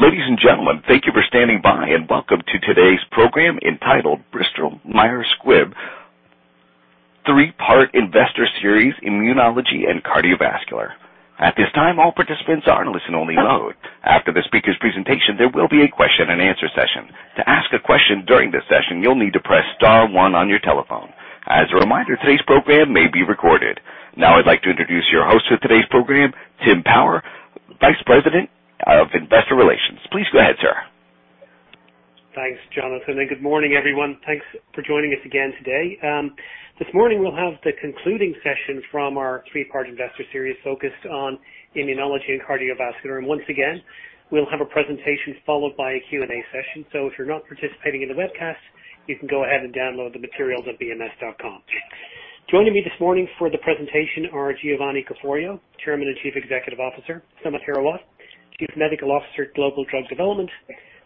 Ladies and gentlemen, Thank you for standing by and welcome to today's program entitled Bristol Myers Squibb three-part investor series, Immunology and Cardiovascular. At this time, all participants are in listen only mode. After the speaker's presentation, there will be a question and answer session. To ask a question during this session, you'll need to press star one on your telephone. As a reminder, today's program may be recorded. Now I'd like to introduce your host for today's program, Tim Power, Vice President of Investor Relations. Please go ahead, sir. Thanks, Jonathan, good morning, everyone. Thanks for joining us again today. This morning we'll have the concluding session from our three-part investor series focused on immunology and cardiovascular. Once again, we'll have a presentation followed by a Q&A session. If you're not participating in the webcast, you can go ahead and download the materials at bms.com. Joining me this morning for the presentation are Giovanni Caforio, Chairman and Chief Executive Officer, Samit Hirawat, Chief Medical Officer, Global Drug Development,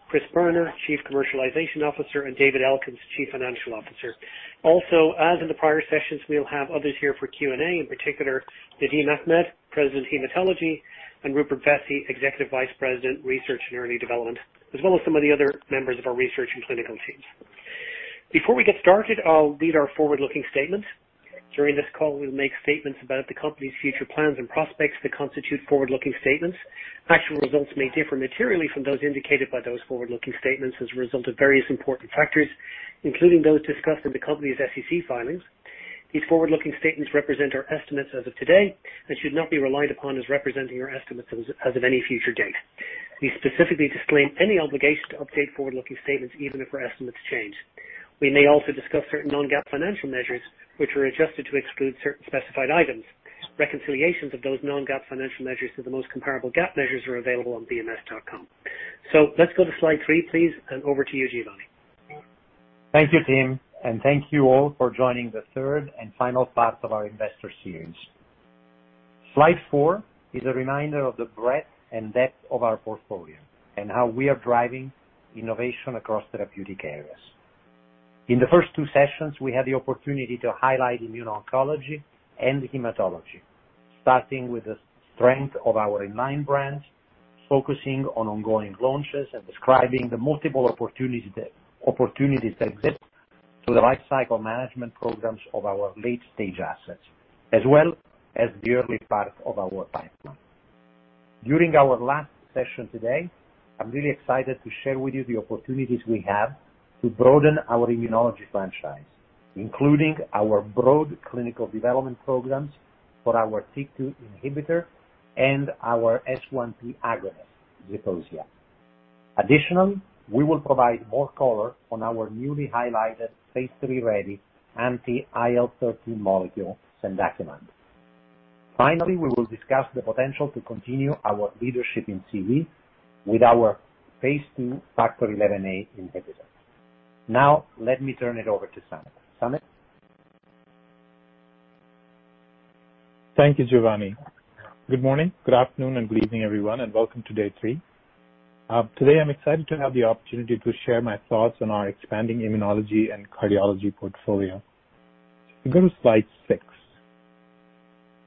Christopher Boerner, Chief Commercialization Officer, and David Elkins, Chief Financial Officer. Also, as in the prior sessions, we'll have others here for Q&A. In particular, Nadim Ahmed, President, Hematology, and Rupert Vessey, Executive Vice President, Research and Early Development, as well as some of the other members of our research and clinical teams. Before we get started, I'll read our forward-looking statement. During this call, we'll make statements about the company's future plans and prospects that constitute forward-looking statements. Actual results may differ materially from those indicated by those forward-looking statements as a result of various important factors, including those discussed in the company's SEC filings. These forward-looking statements represent our estimates as of today and should not be relied upon as representing our estimates as of any future date. We specifically disclaim any obligation to update forward-looking statements, even if our estimates change. We may also discuss certain non-GAAP financial measures, which are adjusted to exclude certain specified items. Reconciliations of those non-GAAP financial measures to the most comparable GAAP measures are available on bms.com. Let's go to slide three, please, and over to you, Giovanni. Thank you, Tim, and thank you all for joining the third and final part of our investor series. Slide four is a reminder of the breadth and depth of our portfolio and how we are driving innovation across therapeutic areas. In the first two sessions, we had the opportunity to highlight immuno-oncology and hematology, starting with the strength of our aligned brands, focusing on ongoing launches and describing the multiple opportunities that exist through the lifecycle management programs of our late-stage assets, as well as the early part of our pipeline. During our last session today, I'm really excited to share with you the opportunities we have to broaden our immunology franchise, including our broad clinical development programs for our TYK2 inhibitor and our S1P agonist, ZEPOSIA. Additionally, we will provide more color on our newly highlighted phase III-ready anti-IL-13 molecule, cendakimab. We will discuss the potential to continue our leadership in CV with our phase II factor XIa inhibitor. Now let me turn it over to Samit. Samit? Thank you, Giovanni. Good morning, good afternoon and good evening, everyone, and welcome to day three. Today I'm excited to have the opportunity to share my thoughts on our expanding immunology and cardiology portfolio. Go to slide six.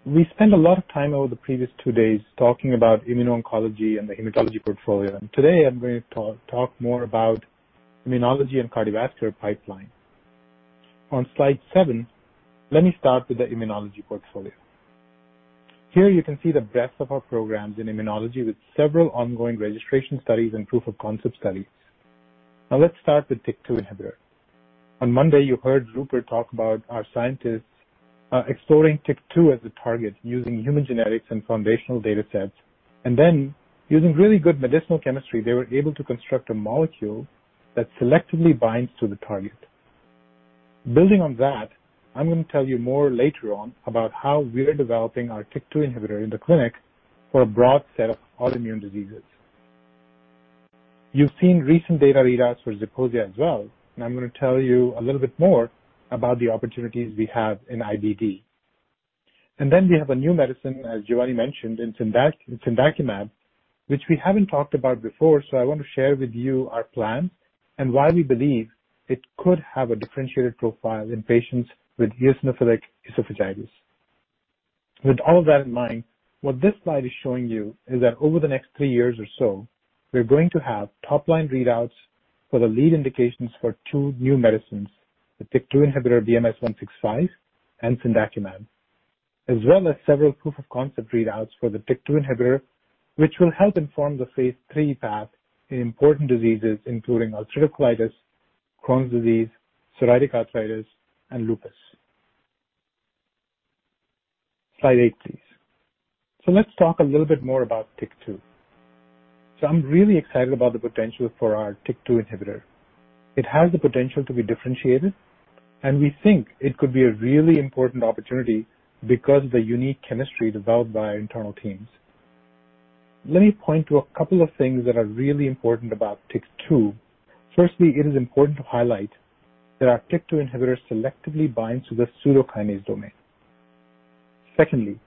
We spent a lot of time over the previous two days talking about immuno-oncology and the hematology portfolio. Today I'm going to talk more about immunology and cardiovascular pipeline. On slide seven, let me start with the immunology portfolio. Here you can see the breadth of our programs in immunology with several ongoing registration studies and proof of concept studies. Now let's start with TYK2 inhibitor. On Monday, you heard Rupert talk about our scientists exploring TYK2 as a target using human genetics and foundational data sets, and then using really good medicinal chemistry, they were able to construct a molecule that selectively binds to the target. Building on that, I'm going to tell you more later on about how we are developing our TYK2 inhibitor in the clinic for a broad set of autoimmune diseases. You've seen recent data readouts for Zeposia as well, and I'm going to tell you a little bit more about the opportunities we have in IBD. We have a new medicine, as Giovanni mentioned, in cendakimab, which we haven't talked about before. I want to share with you our plan and why we believe it could have a differentiated profile in patients with eosinophilic esophagitis. With all of that in mind, what this slide is showing you is that over the next three years or so, we're going to have top-line readouts for the lead indications for two new medicines, the TYK2 inhibitor BMS-986165 and cendakimab, as well as several proof of concept readouts for the TYK2 inhibitor, which will help inform the phase III path in important diseases including ulcerative colitis, Crohn's disease, psoriatic arthritis, and lupus. Slide eight, please. Let's talk a little bit more about TYK2. I'm really excited about the potential for our TYK2 inhibitor. It has the potential to be differentiated, and we think it could be a really important opportunity because of the unique chemistry developed by our internal teams. Let me point to a couple of things that are really important about TYK2. Firstly, it is important to highlight that our TYK2 inhibitor selectively binds to the pseudokinase domain. Secondly,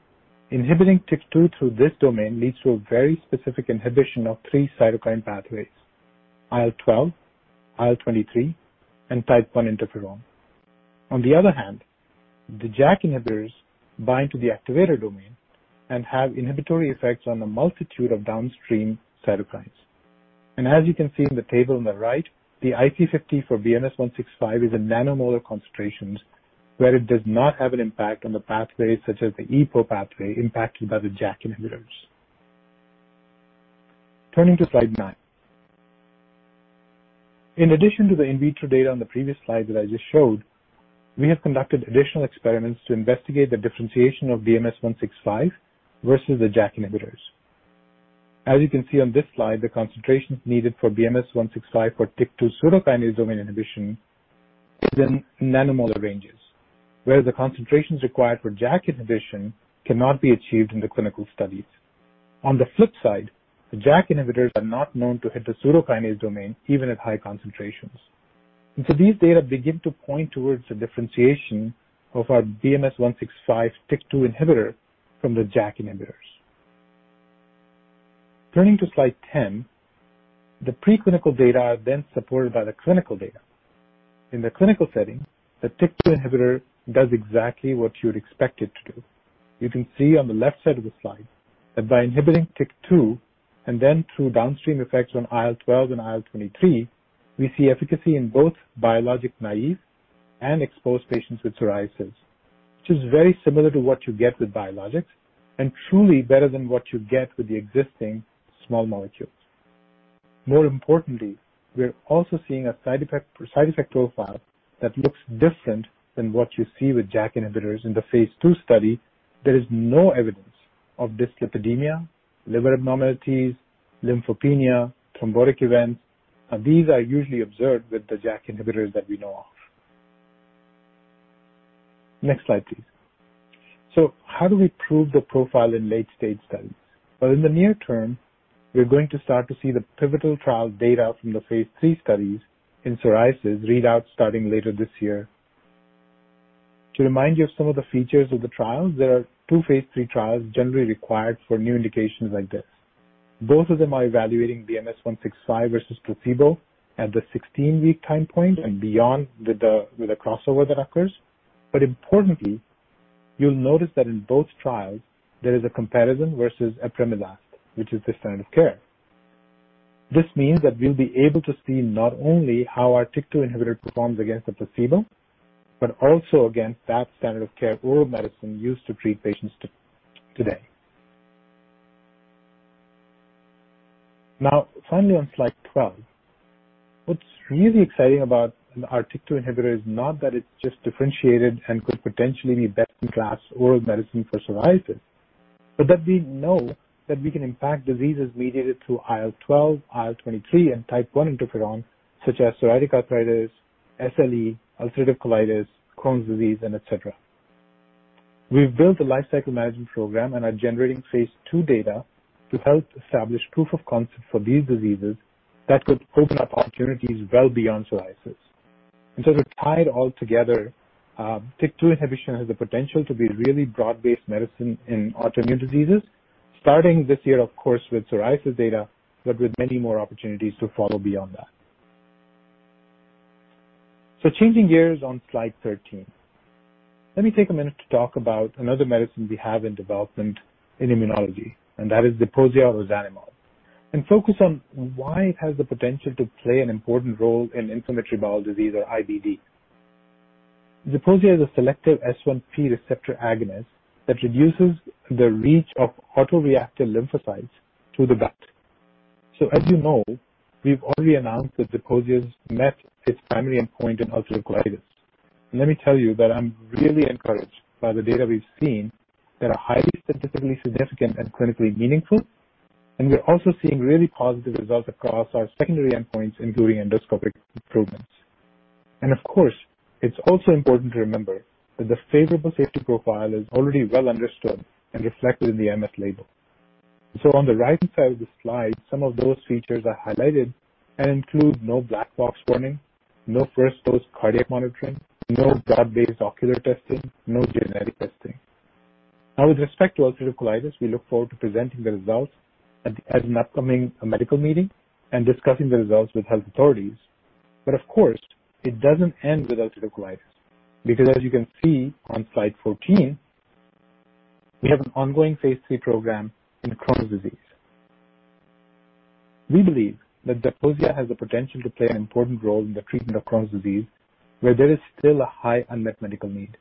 inhibiting TYK2 through this domain leads to a very specific inhibition of three cytokine pathways, IL-12, IL-23, and type 1 interferon. On the other hand, the JAK inhibitors bind to the activator domain and have inhibitory effects on a multitude of downstream cytokines. As you can see in the table on the right, the IC50 for BMS-986165 is a nanomolar concentration where it does not have an impact on the pathway, such as the EPO pathway impacted by the JAK inhibitors. Turning to slide nine. In addition to the in vitro data on the previous slide that I just showed, we have conducted additional experiments to investigate the differentiation of BMS-986165 versus the JAK inhibitors. As you can see on this slide, the concentrations needed for BMS-986165 for TYK2 pseudokinase domain inhibition is in nanomolar ranges, whereas the concentrations required for JAK inhibition cannot be achieved in the clinical studies. On the flip side, the JAK inhibitors are not known to hit the pseudokinase domain, even at high concentrations. These data begin to point towards the differentiation of our BMS-986165 TYK2 inhibitor from the JAK inhibitors. On slide 10, the preclinical data are supported by the clinical data. In the clinical setting, the TYK2 inhibitor does exactly what you'd expect it to do. You can see on the left side of the slide that by inhibiting TYK2 and then through downstream effects on IL-12 and IL-23, we see efficacy in both biologic, naive, and exposed patients with psoriasis, which is very similar to what you get with biologics and truly better than what you get with the existing small molecules. We're also seeing a side effect profile that looks different than what you see with JAK inhibitors in the phase II study. There is no evidence of dyslipidemia, liver abnormalities, lymphopenia, thrombotic events, and these are usually observed with the JAK inhibitors that we know of. Next slide, please. How do we prove the profile in late-stage studies? Well, in the near term, we're going to start to see the pivotal trial data from the phase III studies in psoriasis read out starting later this year. To remind you of some of the features of the trials, there are two phase III trials generally required for new indications like this. Both of them are evaluating BMS-986165 versus placebo at the 16-week time point and beyond with the crossover that occurs. Importantly, you'll notice that in both trials, there is a comparison versus apremilast, which is the standard of care. This means that we'll be able to see not only how our TYK2 inhibitor performs against the placebo, but also against that standard of care oral medicine used to treat patients today. Now, finally, on Slide 12, what's really exciting about our TYK2 inhibitor is not that it's just differentiated and could potentially be best-in-class oral medicine for psoriasis, but that we know that we can impact diseases mediated through IL-12, IL-23, and type 1 interferon, such as psoriatic arthritis, SLE, ulcerative colitis, Crohn's disease, and et cetera. We've built a life cycle management program and are generating phase II data to help establish proof of concept for these diseases that could open up opportunities well beyond psoriasis. To tie it all together, TYK2 inhibition has the potential to be really broad-based medicine in autoimmune diseases, starting this year, of course, with psoriasis data, but with many more opportunities to follow beyond that. Changing gears on slide 13. Let me take a minute to talk about another medicine we have in development in immunology, that is ZEPOSIA ozanimod, focus on why it has the potential to play an important role in inflammatory bowel disease or IBD. ZEPOSIA is a selective S1P receptor agonist that reduces the reach of autoreactive lymphocytes to the gut. As you know, we've already announced that ZEPOSIA has met its primary endpoint in ulcerative colitis. Let me tell you that I'm really encouraged by the data we've seen that are highly statistically significant and clinically meaningful, We're also seeing really positive results across our secondary endpoints, including endoscopic improvements. Of course, it's also important to remember that the favorable safety profile is already well understood and reflected in the MS label. On the right-hand side of the slide, some of those features are highlighted and include no black box warning, no first-dose cardiac monitoring, no broad-based ocular testing, no genetic testing. With respect to ulcerative colitis, we look forward to presenting the results at an upcoming medical meeting and discussing the results with health authorities. Of course, it doesn't end with ulcerative colitis because as you can see on slide 14, we have an ongoing phase III program in Crohn's disease. We believe that ZEPOSIA has the potential to play an important role in the treatment of Crohn's disease, where there is still a high unmet medical need.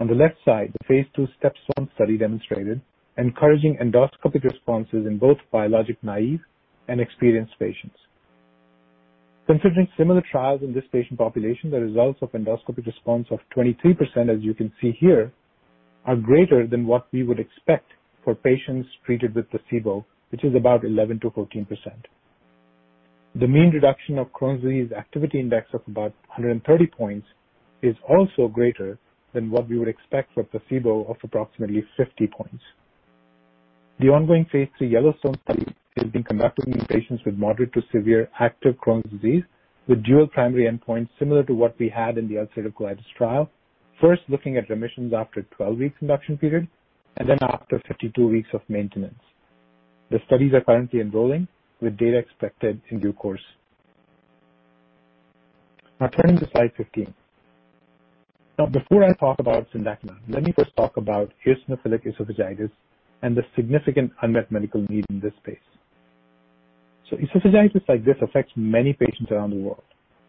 On the left side, the phase II step 1 study demonstrated encouraging endoscopic responses in both biologic, naive, and experienced patients. Considering similar trials in this patient population, the results of endoscopic response of 23%, as you can see here, are greater than what we would expect for patients treated with placebo, which is about 11%-14%. The mean reduction of Crohn's Disease Activity Index of about 130 points is also greater than what we would expect for placebo of approximately 50 points. The ongoing phase III YELLOWSTONE study is being conducted in patients with moderate to severe active Crohn's disease with dual primary endpoints, similar to what we had in the ulcerative colitis trial, first looking at remissions after a 12-week induction period and then after 52 weeks of maintenance. The studies are currently enrolling with data expected in due course. Turning to slide 15. Before I talk about cendakimab, let me first talk about eosinophilic esophagitis and the significant unmet medical need in this space. Esophagitis like this affects many patients around the world,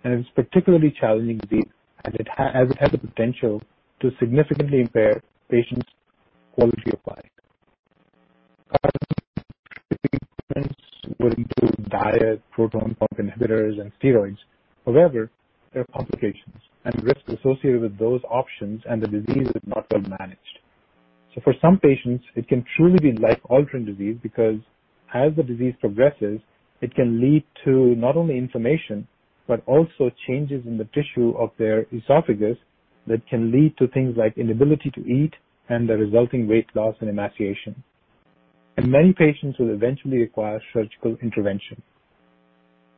and it's a particularly challenging disease as it has the potential to significantly impair patients' quality of life. Current treatments would include diet, proton pump inhibitors, and steroids. However, there are complications and risks associated with those options, and the disease is not well managed. For some patients, it can truly be life-altering disease because as the disease progresses, it can lead to not only inflammation but also changes in the tissue of their esophagus that can lead to things like inability to eat and the resulting weight loss and emaciation. Many patients will eventually require surgical intervention.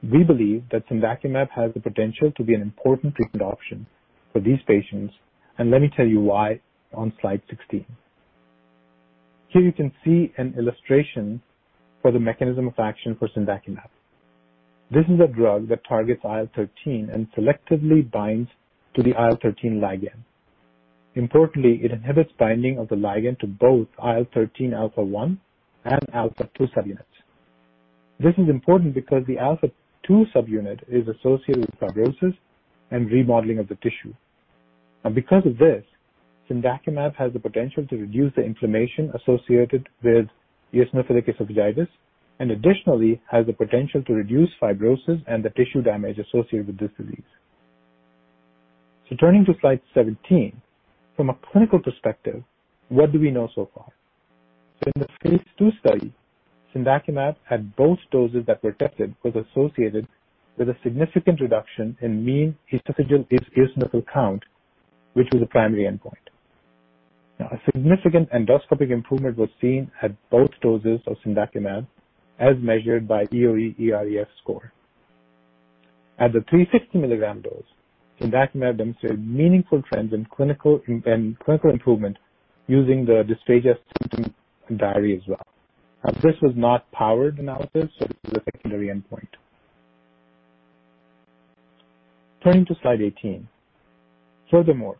We believe that cendakimab has the potential to be an important treatment option for these patients, let me tell you why on slide 16. Here you can see an illustration for the mechanism of action for cendakimab. This is a drug that targets IL-13 and selectively binds to the IL-13 ligand. Importantly, it inhibits binding of the ligand to both IL-13 alpha 1 and alpha 2 subunits. This is important because the alpha 2 subunit is associated with fibrosis and remodeling of the tissue. Because of this, cendakimab has the potential to reduce the inflammation associated with eosinophilic esophagitis and additionally has the potential to reduce fibrosis and the tissue damage associated with this disease. Turning to slide 17. From a clinical perspective, what do we know so far? In the Phase II Study, cendakimab had both doses that were tested, was associated with a significant reduction in mean esophageal eosinophil count, which was a primary endpoint. A significant endoscopic improvement was seen at both doses of cendakimab, as measured by EoE EREFS score. At the 350 milligram dose, cendakimab demonstrated meaningful trends in clinical improvement using the Dysphagia Symptom Diary as well. This was not powered analysis. This is a secondary endpoint. Turning to slide 18. Furthermore,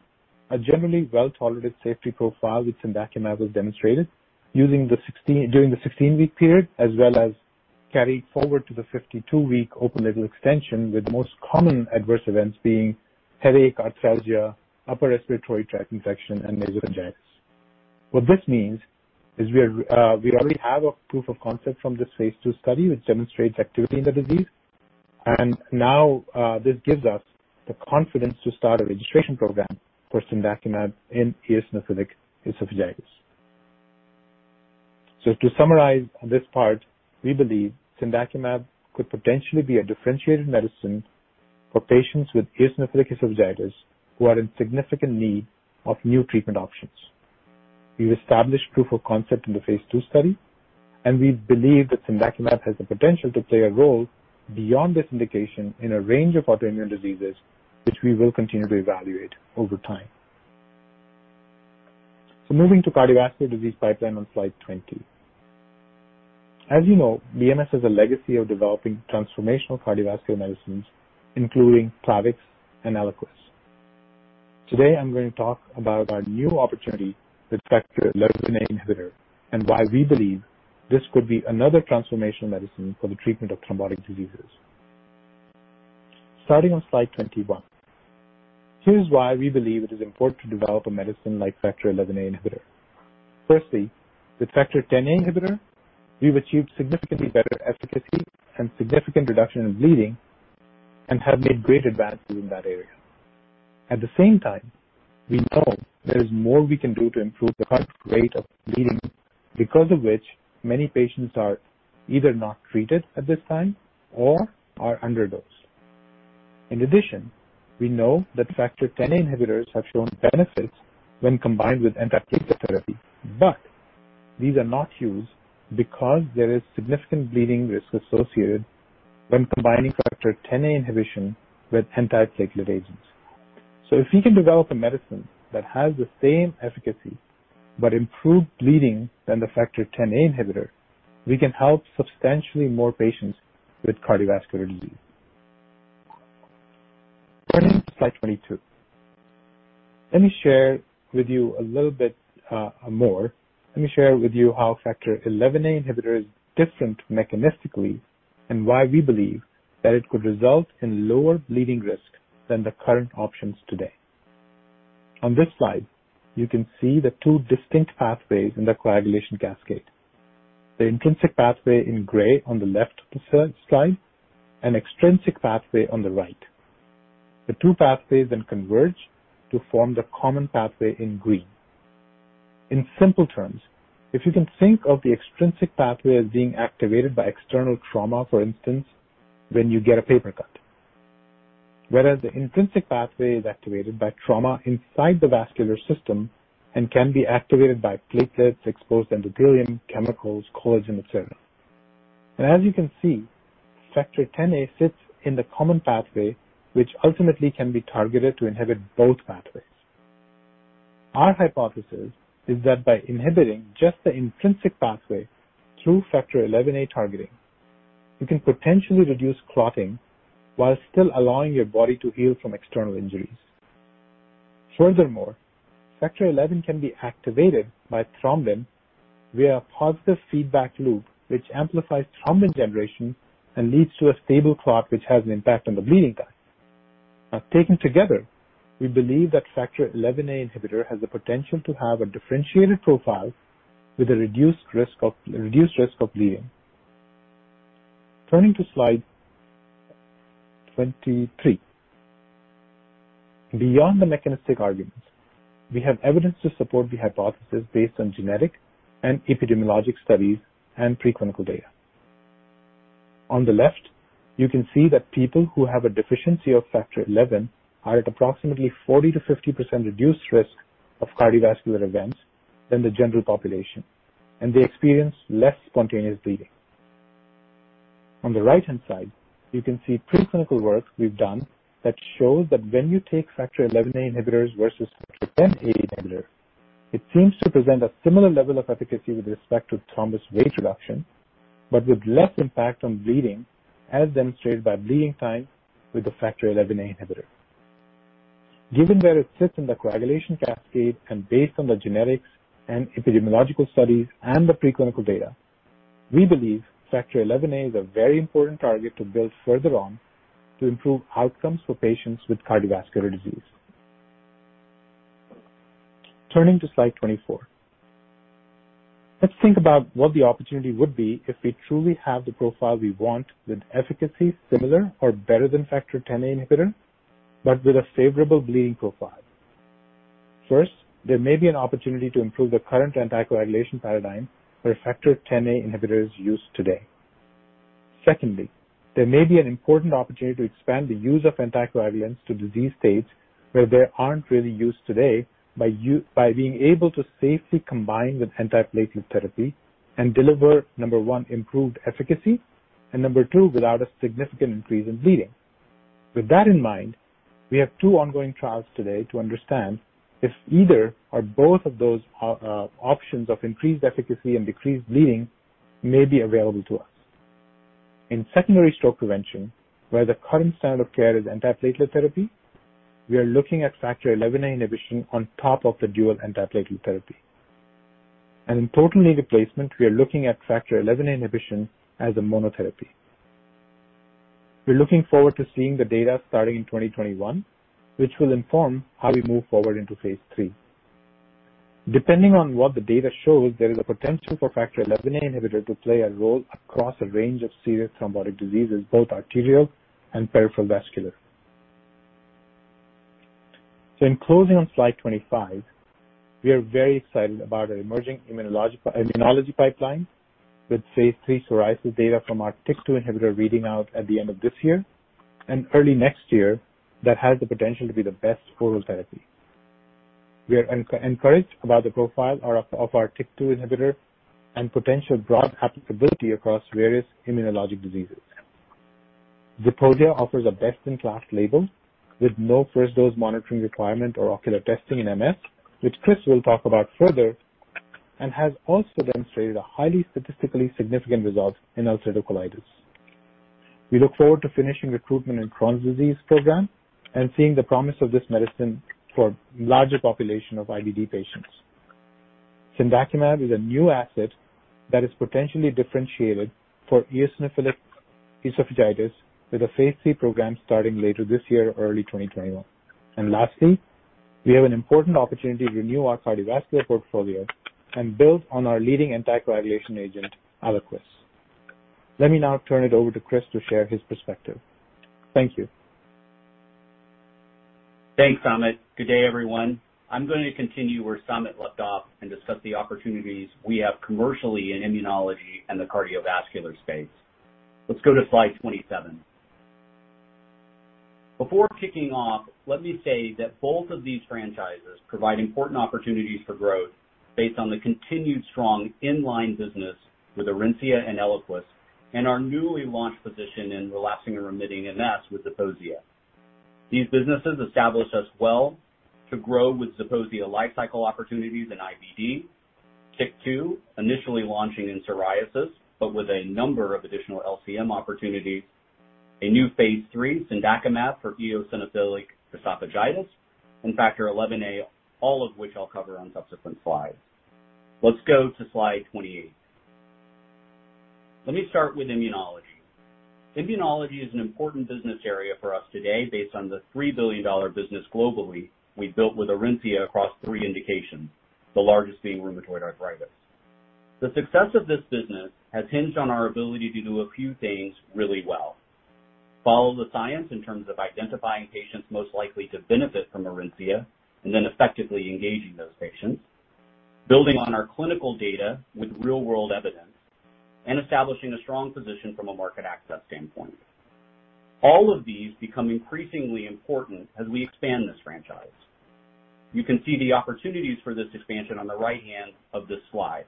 a generally well-tolerated safety profile with cendakimab was demonstrated during the 16-week period, as well as carried forward to the 52-week open-label extension, with most common adverse events being headache, arthralgia, upper respiratory tract infection, and nasopharyngitis. What this means is we already have a proof of concept from this phase II study which demonstrates activity in the disease. Now, this gives us the confidence to start a registration program for cendakimab in eosinophilic esophagitis. To summarize this part, we believe cendakimab could potentially be a differentiated medicine for patients with eosinophilic esophagitis who are in significant need of new treatment options. We've established proof of concept in the phase II study, and we believe that cendakimab has the potential to play a role beyond this indication in a range of autoimmune diseases, which we will continue to evaluate over time. Moving to cardiovascular disease pipeline on slide 20. As you know, BMS has a legacy of developing transformational cardiovascular medicines, including PLAVIX and ELIQUIS. Today, I'm going to talk about our new opportunity with factor XIa inhibitor and why we believe this could be another transformational medicine for the treatment of thrombotic diseases. Starting on slide 21. Here's why we believe it is important to develop a medicine like factor XIa inhibitor. Firstly, with factor Xa inhibitor, we've achieved significantly better efficacy and significant reduction in bleeding and have made great advances in that area. At the same time, we know there is more we can do to improve the current rate of bleeding, because of which many patients are either not treated at this time or are underdosed. In addition, we know that factor Xa inhibitors have shown benefits when combined with antiplatelet therapy, but these are not used because there is significant bleeding risk associated when combining factor XIa inhibition with antiplatelet agents. If we can develop a medicine that has the same efficacy but improved bleeding than the factor Xa inhibitor, we can help substantially more patients with cardiovascular disease. Turning to slide 22. Let me share with you a little bit more. Let me share with you how factor XIa inhibitor is different mechanistically and why we believe that it could result in lower bleeding risk than the current options today. On this slide, you can see the two distinct pathways in the coagulation cascade. The intrinsic pathway in gray on the left of the slide and extrinsic pathway on the right. The two pathways then converge to form the common pathway in green. In simple terms, if you can think of the extrinsic pathway as being activated by external trauma, for instance, when you get a paper cut, whereas the intrinsic pathway is activated by trauma inside the vascular system and can be activated by platelets, exposed endothelium, chemicals, collagen, et cetera. As you can see, factor Xa sits in the common pathway, which ultimately can be targeted to inhibit both pathways. Our hypothesis is that by inhibiting just the intrinsic pathway through factor XIa targeting, we can potentially reduce clotting while still allowing your body to heal from external injuries. Furthermore, factor XI can be activated by thrombin via a positive feedback loop, which amplifies thrombin generation and leads to a stable clot which has an impact on the bleeding time. Taken together, we believe that factor XIa inhibitor has the potential to have a differentiated profile with a reduced risk of bleeding. Turning to slide 23. Beyond the mechanistic arguments, we have evidence to support the hypothesis based on genetic and epidemiologic studies and preclinical data. On the left, you can see that people who have a deficiency of factor XI are at approximately 40% to 50% reduced risk of cardiovascular events than the general population, and they experience less spontaneous bleeding. On the right-hand side, you can see preclinical work we've done that shows that when you take factor XIa inhibitors versus factor Xa inhibitor, it seems to present a similar level of efficacy with respect to thrombus weight reduction, but with less impact on bleeding, as demonstrated by bleeding time with the factor XIa inhibitor. Given where it sits in the coagulation cascade and based on the genetics and epidemiological studies and the preclinical data, we believe factor XIa is a very important target to build further on to improve outcomes for patients with cardiovascular disease. Turning to slide 24. Let's think about what the opportunity would be if we truly have the profile we want with efficacy similar or better than factor Xa inhibitor, but with a favorable bleeding profile. First, there may be an opportunity to improve the current anticoagulation paradigm where factor Xa inhibitor is used today. Secondly, there may be an important opportunity to expand the use of anticoagulants to disease states where they aren't really used today by being able to safely combine with antiplatelet therapy and deliver, number 1, improved efficacy, and number 2, without a significant increase in bleeding. With that in mind, we have two ongoing trials today to understand if either or both of those options of increased efficacy and decreased bleeding may be available to us. In secondary stroke prevention, where the current standard of care is antiplatelet therapy, we are looking at factor XIa inhibition on top of the dual antiplatelet therapy. In total knee replacement, we are looking at factor XIa inhibition as a monotherapy. We're looking forward to seeing the data starting in 2021, which will inform how we move forward into phase III. Depending on what the data shows, there is a potential for factor XIa inhibitor to play a role across a range of serious thrombotic diseases, both arterial and peripheral vascular. In closing on slide 25, we are very excited about our emerging immunology pipeline with phase III psoriasis data from our TYK2 inhibitor reading out at the end of this year and early next year that has the potential to be the best oral therapy. We are encouraged about the profile of our TYK2 inhibitor and potential broad applicability across various immunologic diseases. Zeposia offers a best-in-class label with no first dose monitoring requirement or ocular testing in MS, which Chris will talk about further, and has also demonstrated a highly statistically significant result in ulcerative colitis. We look forward to finishing recruitment in Crohn's disease program and seeing the promise of this medicine for larger population of IBD patients. cendakimab is a new asset that is potentially differentiated for eosinophilic esophagitis with a phase III program starting later this year or early 2021. Lastly, we have an important opportunity to renew our cardiovascular portfolio and build on our leading anticoagulation agent, ELIQUIS. Let me now turn it over to Chris to share his perspective. Thank you. Thanks, Samit. Good day, everyone. I'm going to continue where Samit left off and discuss the opportunities we have commercially in immunology and the cardiovascular space. Let's go to slide 27. Before kicking off, let me say that both of these franchises provide important opportunities for growth based on the continued strong in-line business with Orencia and ELIQUIS and our newly launched position in relapsing and remitting MS with Zeposia. These businesses establish us well to grow with Zeposia lifecycle opportunities in IBD, TYK2 initially launching in psoriasis, but with a number of additional LCM opportunities, a new phase III cendakimab for eosinophilic esophagitis, and factor XIa, all of which I'll cover on subsequent slides. Let's go to slide 28. Let me start with immunology. Immunology is an important business area for us today based on the $3 billion business globally we built with ORENCIA across three indications, the largest being rheumatoid arthritis. The success of this business has hinged on our ability to do a few things really well. Follow the science in terms of identifying patients most likely to benefit from ORENCIA, and then effectively engaging those patients. Building on our clinical data with real-world evidence, and establishing a strong position from a market access standpoint. All of these become increasingly important as we expand this franchise. You can see the opportunities for this expansion on the right hand of this slide.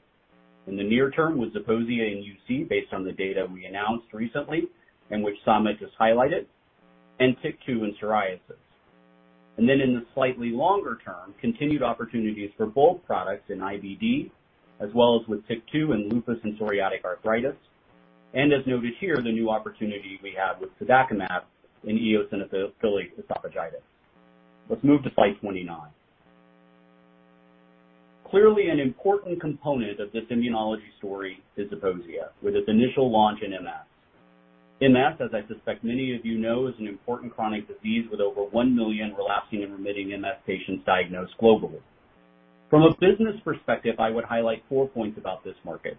In the near term, with ZEPOSIA in UC, based on the data we announced recently, and which Samit just highlighted. TYK2 in psoriasis. Then in the slightly longer term, continued opportunities for both products in IBD, as well as with TYK2 in lupus and psoriatic arthritis. As noted here, the new opportunity we have with cendakimab in eosinophilic esophagitis. Let's move to slide 29. Clearly an important component of this immunology story is ZEPOSIA, with its initial launch in MS. MS, as I suspect many of you know, is an important chronic disease with over 1 million relapsing and remitting MS patients diagnosed globally. From a business perspective, I would highlight four points about this market.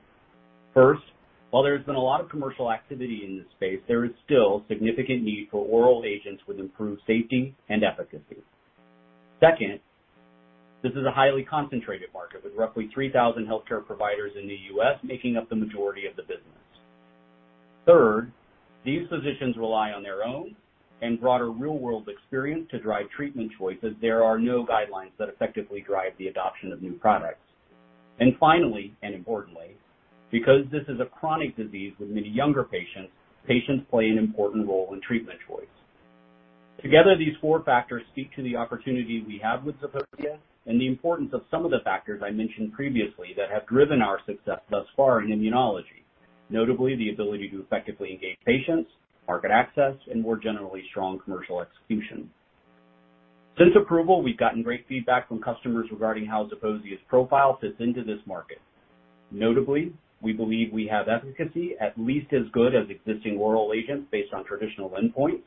While there has been a lot of commercial activity in this space, there is still significant need for oral agents with improved safety and efficacy. This is a highly concentrated market with roughly 3,000 healthcare providers in the U.S. making up the majority of the business. Third, these physicians rely on their own and broader real-world experience to drive treatment choices. There are no guidelines that effectively drive the adoption of new products. Finally, and importantly, because this is a chronic disease with many younger patients play an important role in treatment choice. Together, these four factors speak to the opportunity we have with ZEPOSIA and the importance of some of the factors I mentioned previously that have driven our success thus far in immunology. Notably, the ability to effectively engage patients, market access, and more generally, strong commercial execution. Since approval, we've gotten great feedback from customers regarding how ZEPOSIA's profile fits into this market. Notably, we believe we have efficacy at least as good as existing oral agents based on traditional endpoints.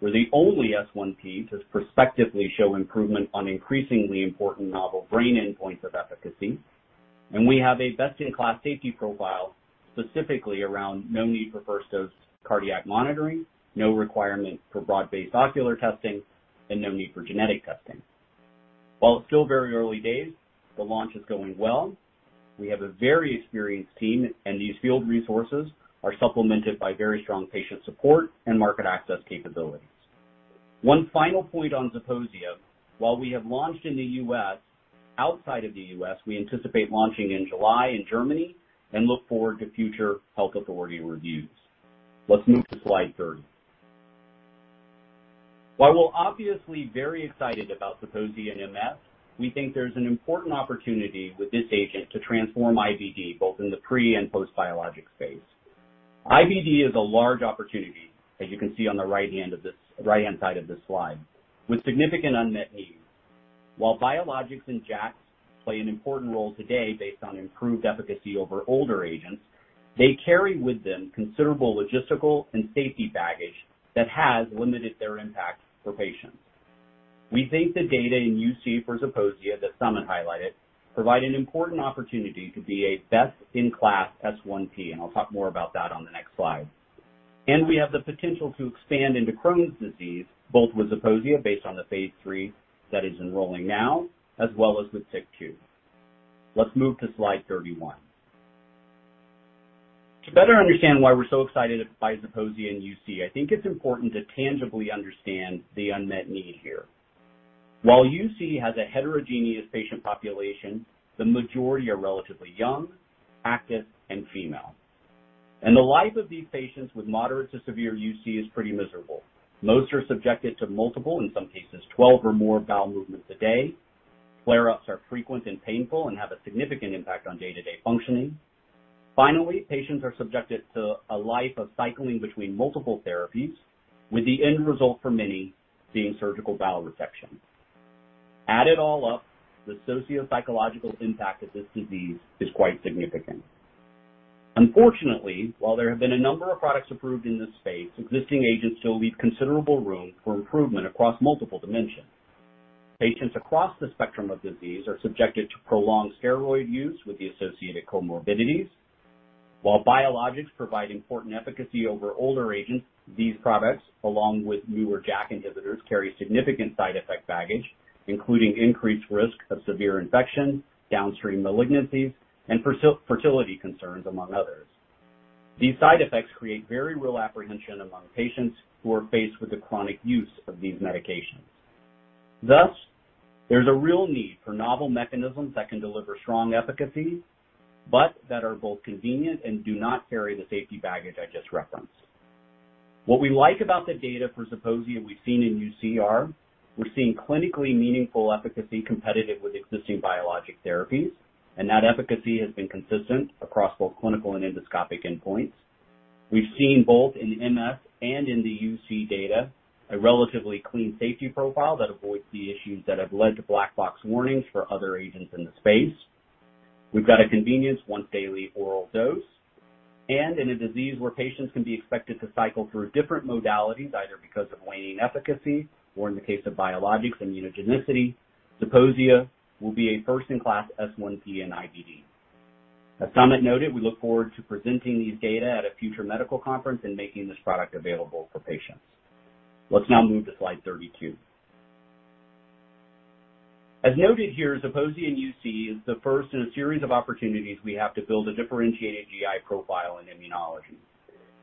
We're the only S1P to prospectively show improvement on increasingly important novel brain endpoints of efficacy. We have a best-in-class safety profile, specifically around no need for first-dose cardiac monitoring, no requirement for broad-based ocular testing, and no need for genetic testing. It's still very early days, the launch is going well. We have a very experienced team, and these field resources are supplemented by very strong patient support and market access capabilities. One final point on ZEPOSIA. We have launched in the U.S., outside of the U.S., we anticipate launching in July in Germany and look forward to future health authority reviews. Let's move to slide 30. We're obviously very excited about ZEPOSIA in MS, we think there's an important opportunity with this agent to transform IBD, both in the pre- and post-biologic space. IBD is a large opportunity, as you can see on the right-hand side of this slide, with significant unmet needs. While biologics and JAKs play an important role today based on improved efficacy over older agents, they carry with them considerable logistical and safety baggage that has limited their impact for patients. We think the data in UC for ZEPOSIA that Samit highlighted provide an important opportunity to be a best-in-class S1P, and I'll talk more about that on the next slide. We have the potential to expand into Crohn's disease, both with ZEPOSIA based on the phase III that is enrolling now, as well as with TYK2. Let's move to slide 31. To better understand why we're so excited by ZEPOSIA in UC, I think it's important to tangibly understand the unmet need here. While UC has a heterogeneous patient population, the majority are relatively young, active, and female. The life of these patients with moderate to severe UC is pretty miserable. Most are subjected to multiple, in some cases 12 or more, bowel movements a day. Flare-ups are frequent and painful and have a significant impact on day-to-day functioning. Finally, patients are subjected to a life of cycling between multiple therapies, with the end result for many being surgical bowel resection. Add it all up, the sociopsychological impact of this disease is quite significant. Unfortunately, while there have been a number of products approved in this space, existing agents still leave considerable room for improvement across multiple dimensions. Patients across the spectrum of disease are subjected to prolonged steroid use with the associated comorbidities. While biologics provide important efficacy over older agents, these products, along with newer JAK inhibitors, carry significant side effect baggage, including increased risk of severe infection, downstream malignancies, and fertility concerns, among others. These side effects create very real apprehension among patients who are faced with the chronic use of these medications. There's a real need for novel mechanisms that can deliver strong efficacy, but that are both convenient and do not carry the safety baggage I just referenced. What we like about the data for ZEPOSIA we've seen in UC are we're seeing clinically meaningful efficacy competitive with existing biologic therapies, and that efficacy has been consistent across both clinical and endoscopic endpoints. We've seen both in MS and in the UC data a relatively clean safety profile that avoids the issues that have led to black box warnings for other agents in the space. We've got a convenience once-daily oral dose. In a disease where patients can be expected to cycle through different modalities, either because of waning efficacy or, in the case of biologics, immunogenicity, Zeposia will be a first-in-class S1P in IBD. As Samit noted, we look forward to presenting these data at a future medical conference and making this product available for patients. Let's now move to slide 32. As noted here, Zeposia in UC is the first in a series of opportunities we have to build a differentiated GI profile in immunology.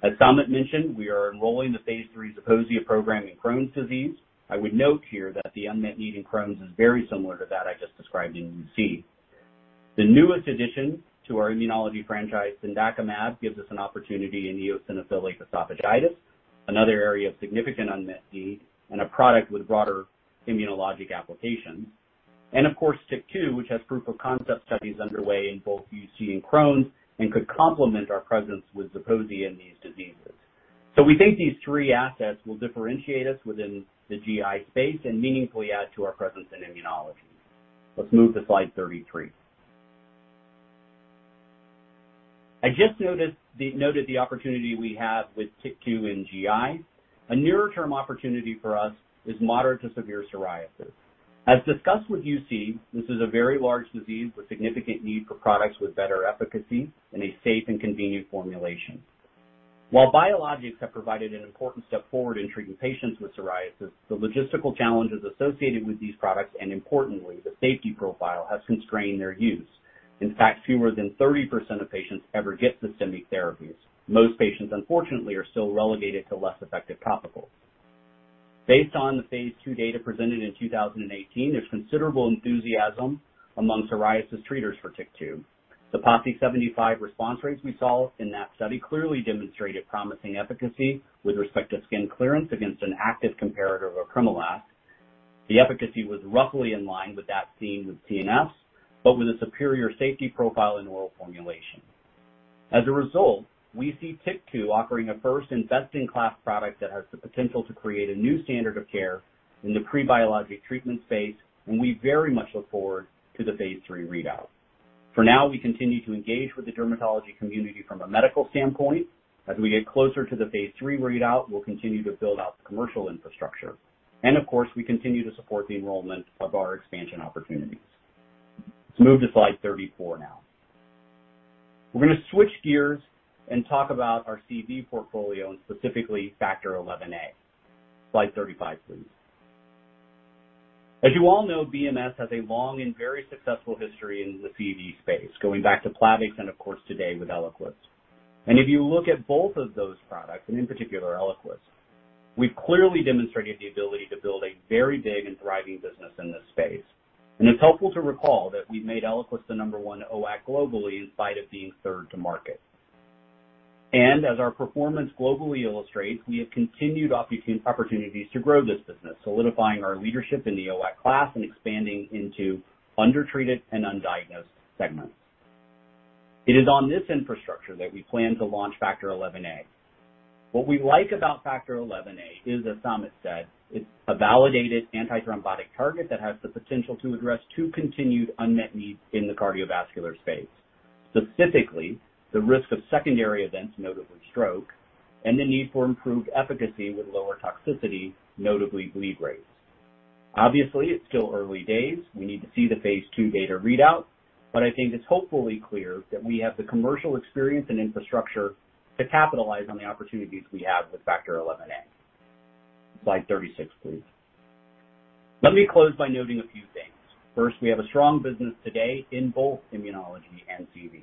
As Samit mentioned, we are enrolling the phase III Zeposia program in Crohn's disease. I would note here that the unmet need in Crohn's is very similar to that I just described in UC. The newest addition to our immunology franchise, cendakimab, gives us an opportunity in eosinophilic esophagitis, another area of significant unmet need, and a product with broader immunologic applications. Of course, TYK2, which has proof of concept studies underway in both UC and Crohn's, and could complement our presence with Zeposia in these diseases. We think these three assets will differentiate us within the GI space and meaningfully add to our presence in immunology. Let's move to slide 33. I just noted the opportunity we have with TYK2 in GI. A nearer-term opportunity for us is moderate to severe psoriasis. As discussed with UC, this is a very large disease with significant need for products with better efficacy in a safe and convenient formulation. While biologics have provided an important step forward in treating patients with psoriasis, the logistical challenges associated with these products, and importantly, the safety profile, has constrained their use. In fact, fewer than 30% of patients ever get systemic therapies. Most patients, unfortunately, are still relegated to less effective topicals. Based on the phase II data presented in 2018, there's considerable enthusiasm among psoriasis treaters for TYK2. The PASI 75 response rates we saw in that study clearly demonstrated promising efficacy with respect to skin clearance against an active comparator of apremilast. The efficacy was roughly in line with that seen with TNFs, with a superior safety profile in oral formulation. As a result, we see TYK2 offering a first-in-best-in-class product that has the potential to create a new standard of care in the pre-biologic treatment space. We very much look forward to the phase III readout. For now, we continue to engage with the dermatology community from a medical standpoint. As we get closer to the phase III readout, we'll continue to build out the commercial infrastructure. Of course, we continue to support the enrollment of our expansion opportunities. Let's move to slide 34 now. We're going to switch gears and talk about our CV portfolio and specifically Factor XI(a). Slide 35, please. As you all know, BMS has a long and very successful history in the CV space, going back to PLAVIX and of course today with ELIQUIS. If you look at both of those products, and in particular ELIQUIS, we've clearly demonstrated the ability to build a very big and thriving business in this space. It's helpful to recall that we've made ELIQUIS the number one NOAC globally in spite of being third to market. As our performance globally illustrates, we have continued opportunities to grow this business, solidifying our leadership in the NOAC class and expanding into undertreated and undiagnosed segments. It is on this infrastructure that we plan to launch Factor XI(a). What we like about Factor XI(a) is, as Samit said, it's a validated antithrombotic target that has the potential to address two continued unmet needs in the cardiovascular space. Specifically, the risk of secondary events, notably stroke, and the need for improved efficacy with lower toxicity, notably bleed rates. Obviously, it's still early days. We need to see the phase II data readout, but I think it's hopefully clear that we have the commercial experience and infrastructure to capitalize on the opportunities we have with factor XIa. Slide 36, please. Let me close by noting a few things. First, we have a strong business today in both immunology and CV.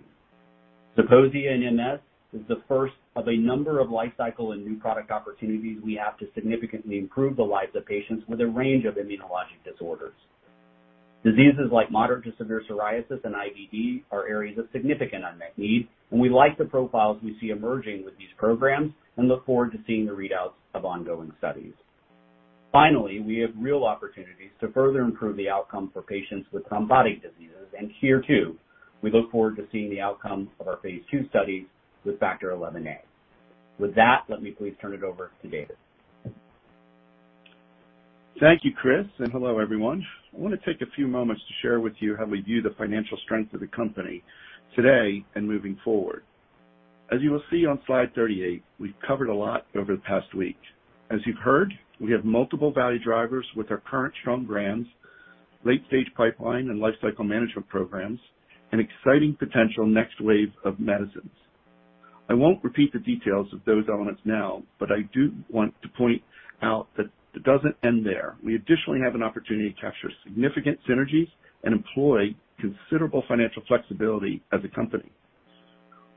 ZEPOSIA in MS is the first of a number of life cycle and new product opportunities we have to significantly improve the lives of patients with a range of immunologic disorders. Diseases like moderate to severe psoriasis and IBD are areas of significant unmet need. We like the profiles we see emerging with these programs and look forward to seeing the readouts of ongoing studies. Finally, we have real opportunities to further improve the outcome for patients with some body diseases. Here too, we look forward to seeing the outcome of our phase II studies with factor XIa. With that, let me please turn it over to David. Thank you, Chris, and hello, everyone. I want to take a few moments to share with you how we view the financial strength of the company today and moving forward. As you will see on slide 38, we've covered a lot over the past week. As you've heard, we have multiple value drivers with our current strong brands, late-stage pipeline and life cycle management programs, and exciting potential next wave of medicines. I won't repeat the details of those elements now, but I do want to point out that it doesn't end there. We additionally have an opportunity to capture significant synergies and employ considerable financial flexibility as a company.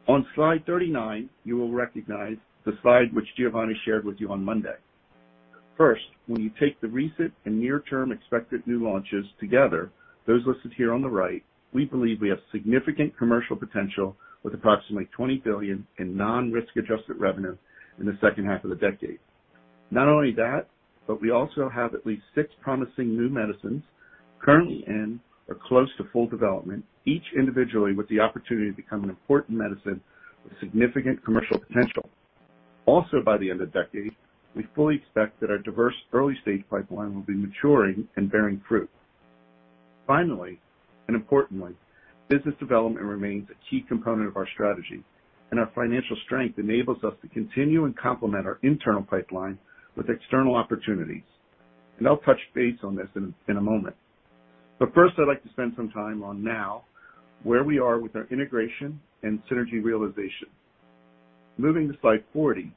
On slide 39, you will recognize the slide which Giovanni shared with you on Monday. First, when you take the recent and near-term expected new launches together, those listed here on the right, we believe we have significant commercial potential with approximately $20 billion in non-risk-adjusted revenue in the second half of the decade. Not only that, we also have at least six promising new medicines currently in or close to full development, each individually with the opportunity to become an important medicine with significant commercial potential. By the end of the decade, we fully expect that our diverse early-stage pipeline will be maturing and bearing fruit. Finally, importantly, business development remains a key component of our strategy, and our financial strength enables us to continue and complement our internal pipeline with external opportunities. I'll touch base on this in a moment. First, I'd like to spend some time on now where we are with our integration and synergy realization. Moving to slide 40,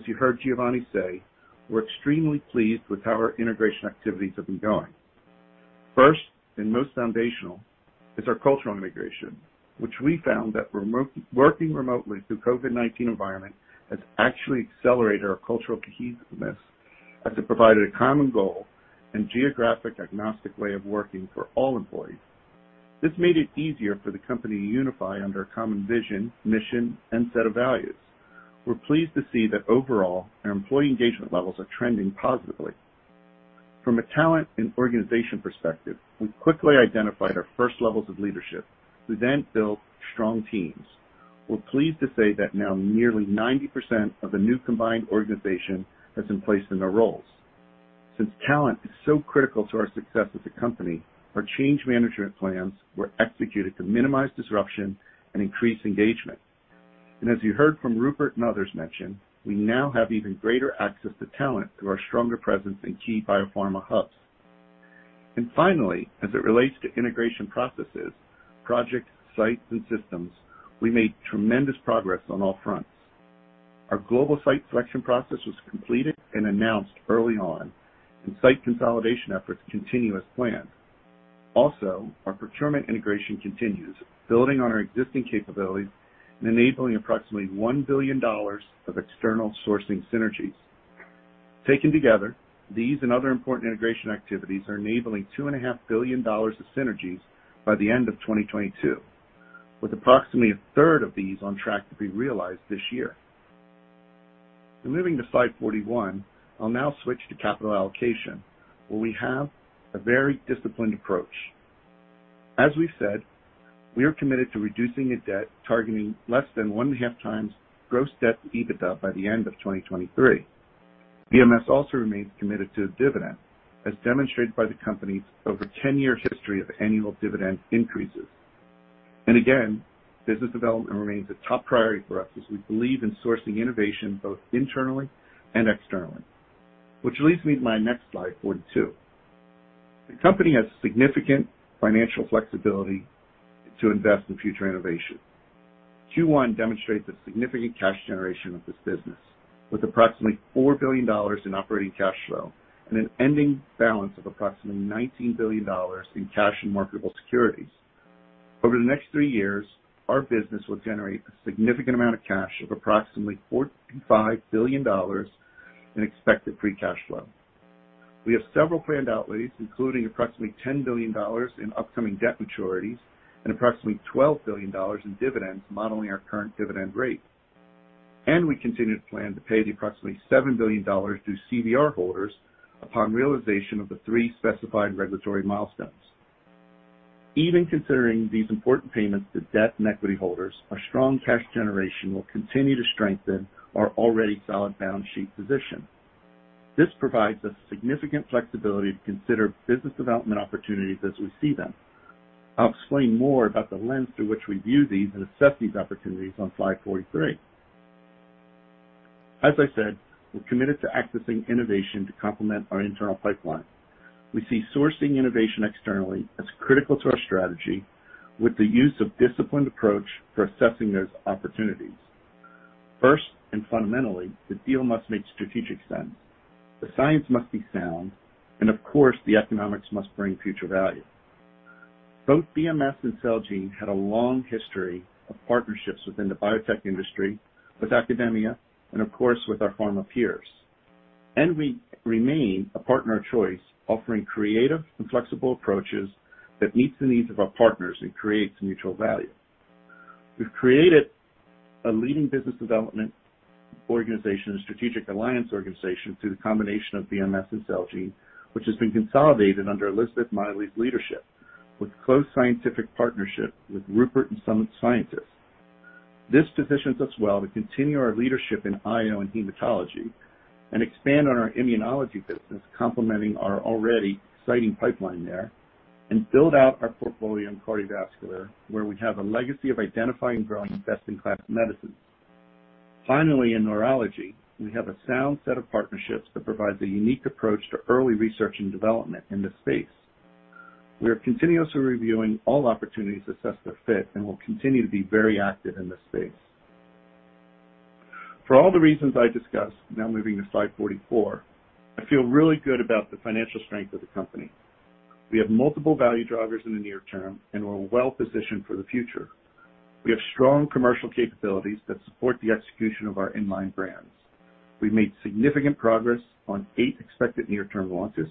as you heard Giovanni say, we're extremely pleased with how our integration activities have been going. First, most foundational, is our cultural integration, which we found that working remotely through COVID-19 environment has actually accelerated our cultural cohesiveness. As it provided a common goal and geographic agnostic way of working for all employees. This made it easier for the company to unify under a common vision, mission, and set of values. We're pleased to see that overall, our employee engagement levels are trending positively. From a talent and organization perspective, we quickly identified our first levels of leadership, who built strong teams. We're pleased to say that now nearly 90% of the new combined organization has been placed in their roles. Since talent is so critical to our success as a company, our change management plans were executed to minimize disruption and increase engagement. As you heard from Rupert and others mention, we now have even greater access to talent through our stronger presence in key biopharma hubs. Finally, as it relates to integration processes, projects, sites, and systems, we made tremendous progress on all fronts. Our global site selection process was completed and announced early on. Site consolidation efforts continue as planned. Also, our procurement integration continues, building on our existing capabilities and enabling approximately $1 billion of external sourcing synergies. Taken together, these and other important integration activities are enabling two and a half billion dollars of synergies by the end of 2022, with approximately a third of these on track to be realized this year. Moving to slide 41, I'll now switch to capital allocation, where we have a very disciplined approach. As we've said, we are committed to reducing the debt, targeting less than 1.5 times gross debt to EBITDA by the end of 2023. BMS also remains committed to the dividend, as demonstrated by the company's over 10-year history of annual dividend increases. Again, business development remains a top priority for us as we believe in sourcing innovation both internally and externally. Which leads me to my next slide 42. The company has significant financial flexibility to invest in future innovation. Q1 demonstrates the significant cash generation of this business, with approximately $4 billion in operating cash flow and an ending balance of approximately $19 billion in cash and marketable securities. Over the next three years, our business will generate a significant amount of cash of approximately $45 billion in expected free cash flow. We have several planned outlays, including approximately $10 billion in upcoming debt maturities and approximately $12 billion in dividends, modeling our current dividend rate. We continue to plan to pay the approximately $7 billion to CVR holders upon realization of the three specified regulatory milestones. Even considering these important payments to debt and equity holders, our strong cash generation will continue to strengthen our already solid balance sheet position. This provides us significant flexibility to consider business development opportunities as we see them. I'll explain more about the lens through which we view these and assess these opportunities on slide 43. As I said, we're committed to accessing innovation to complement our internal pipeline. We see sourcing innovation externally as critical to our strategy with the use of disciplined approach for assessing those opportunities. First, and fundamentally, the deal must make strategic sense. The science must be sound, and of course, the economics must bring future value. Both BMS and Celgene had a long history of partnerships within the biotech industry, with academia, and of course, with our pharma peers. We remain a partner of choice, offering creative and flexible approaches that meets the needs of our partners and creates mutual value. We've created a leading business development organization, a strategic alliance organization, through the combination of BMS and Celgene, which has been consolidated under Elizabeth Mily's leadership, with close scientific partnership with Rupert and Samit's scientists. This positions us well to continue our leadership in IO and hematology and expand on our immunology business, complementing our already exciting pipeline there, and build out our portfolio in cardiovascular, where we have a legacy of identifying and growing best-in-class medicines. Finally, in neurology, we have a sound set of partnerships that provides a unique approach to early research and development in this space. We are continuously reviewing all opportunities to assess their fit and will continue to be very active in this space. For all the reasons I discussed, now moving to slide 44, I feel really good about the financial strength of the company. We have multiple value drivers in the near term, and we're well-positioned for the future. We have strong commercial capabilities that support the execution of our in-line brands. We've made significant progress on eight expected near-term launches.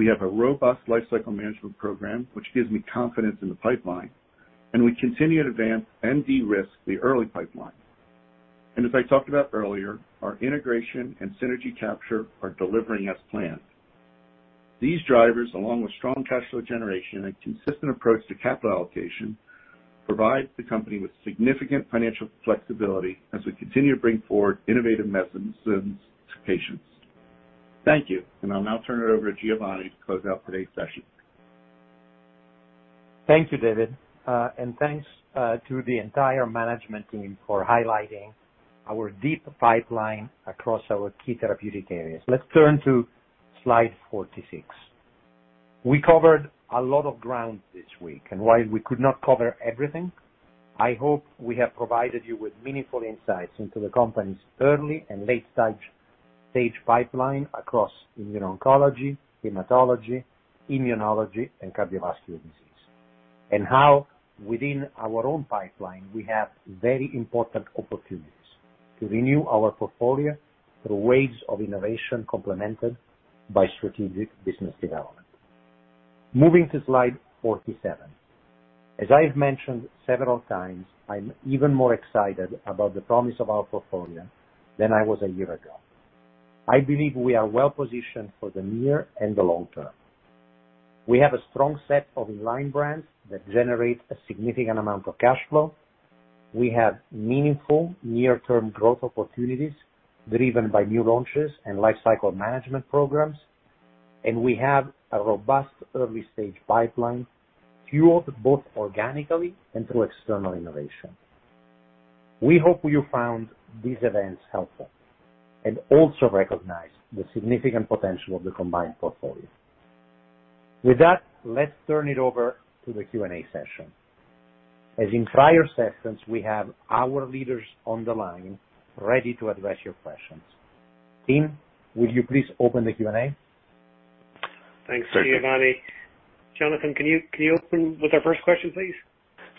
We have a robust lifecycle management program, which gives me confidence in the pipeline, and we continue to advance and de-risk the early pipeline. As I talked about earlier, our integration and synergy capture are delivering as planned. These drivers, along with strong cash flow generation and consistent approach to capital allocation, provide the company with significant financial flexibility as we continue to bring forward innovative medicines to patients. Thank you. I'll now turn it over to Giovanni to close out today's session. Thank you, David. Thanks to the entire management team for highlighting our deep pipeline across our key therapeutic areas. Let's turn to slide 46. We covered a lot of ground this week, and while we could not cover everything, I hope we have provided you with meaningful insights into the company's early and late-stage pipeline across immuno-oncology, hematology, immunology, and cardiovascular disease. How within our own pipeline, we have very important opportunities to renew our portfolio through waves of innovation complemented by strategic business development. Moving to slide 47. As I have mentioned several times, I'm even more excited about the promise of our portfolio than I was a year ago. I believe we are well-positioned for the near and the long term. We have a strong set of in-line brands that generate a significant amount of cash flow. We have meaningful near-term growth opportunities driven by new launches and lifecycle management programs. We have a robust early-stage pipeline fueled both organically and through external innovation. We hope you found these events helpful and also recognize the significant potential of the combined portfolio. With that, let's turn it over to the Q&A session. As in prior sessions, we have our leaders on the line ready to address your questions. Tim, will you please open the Q&A? Thanks, Giovanni. Jonathan, can you open with our first question, please?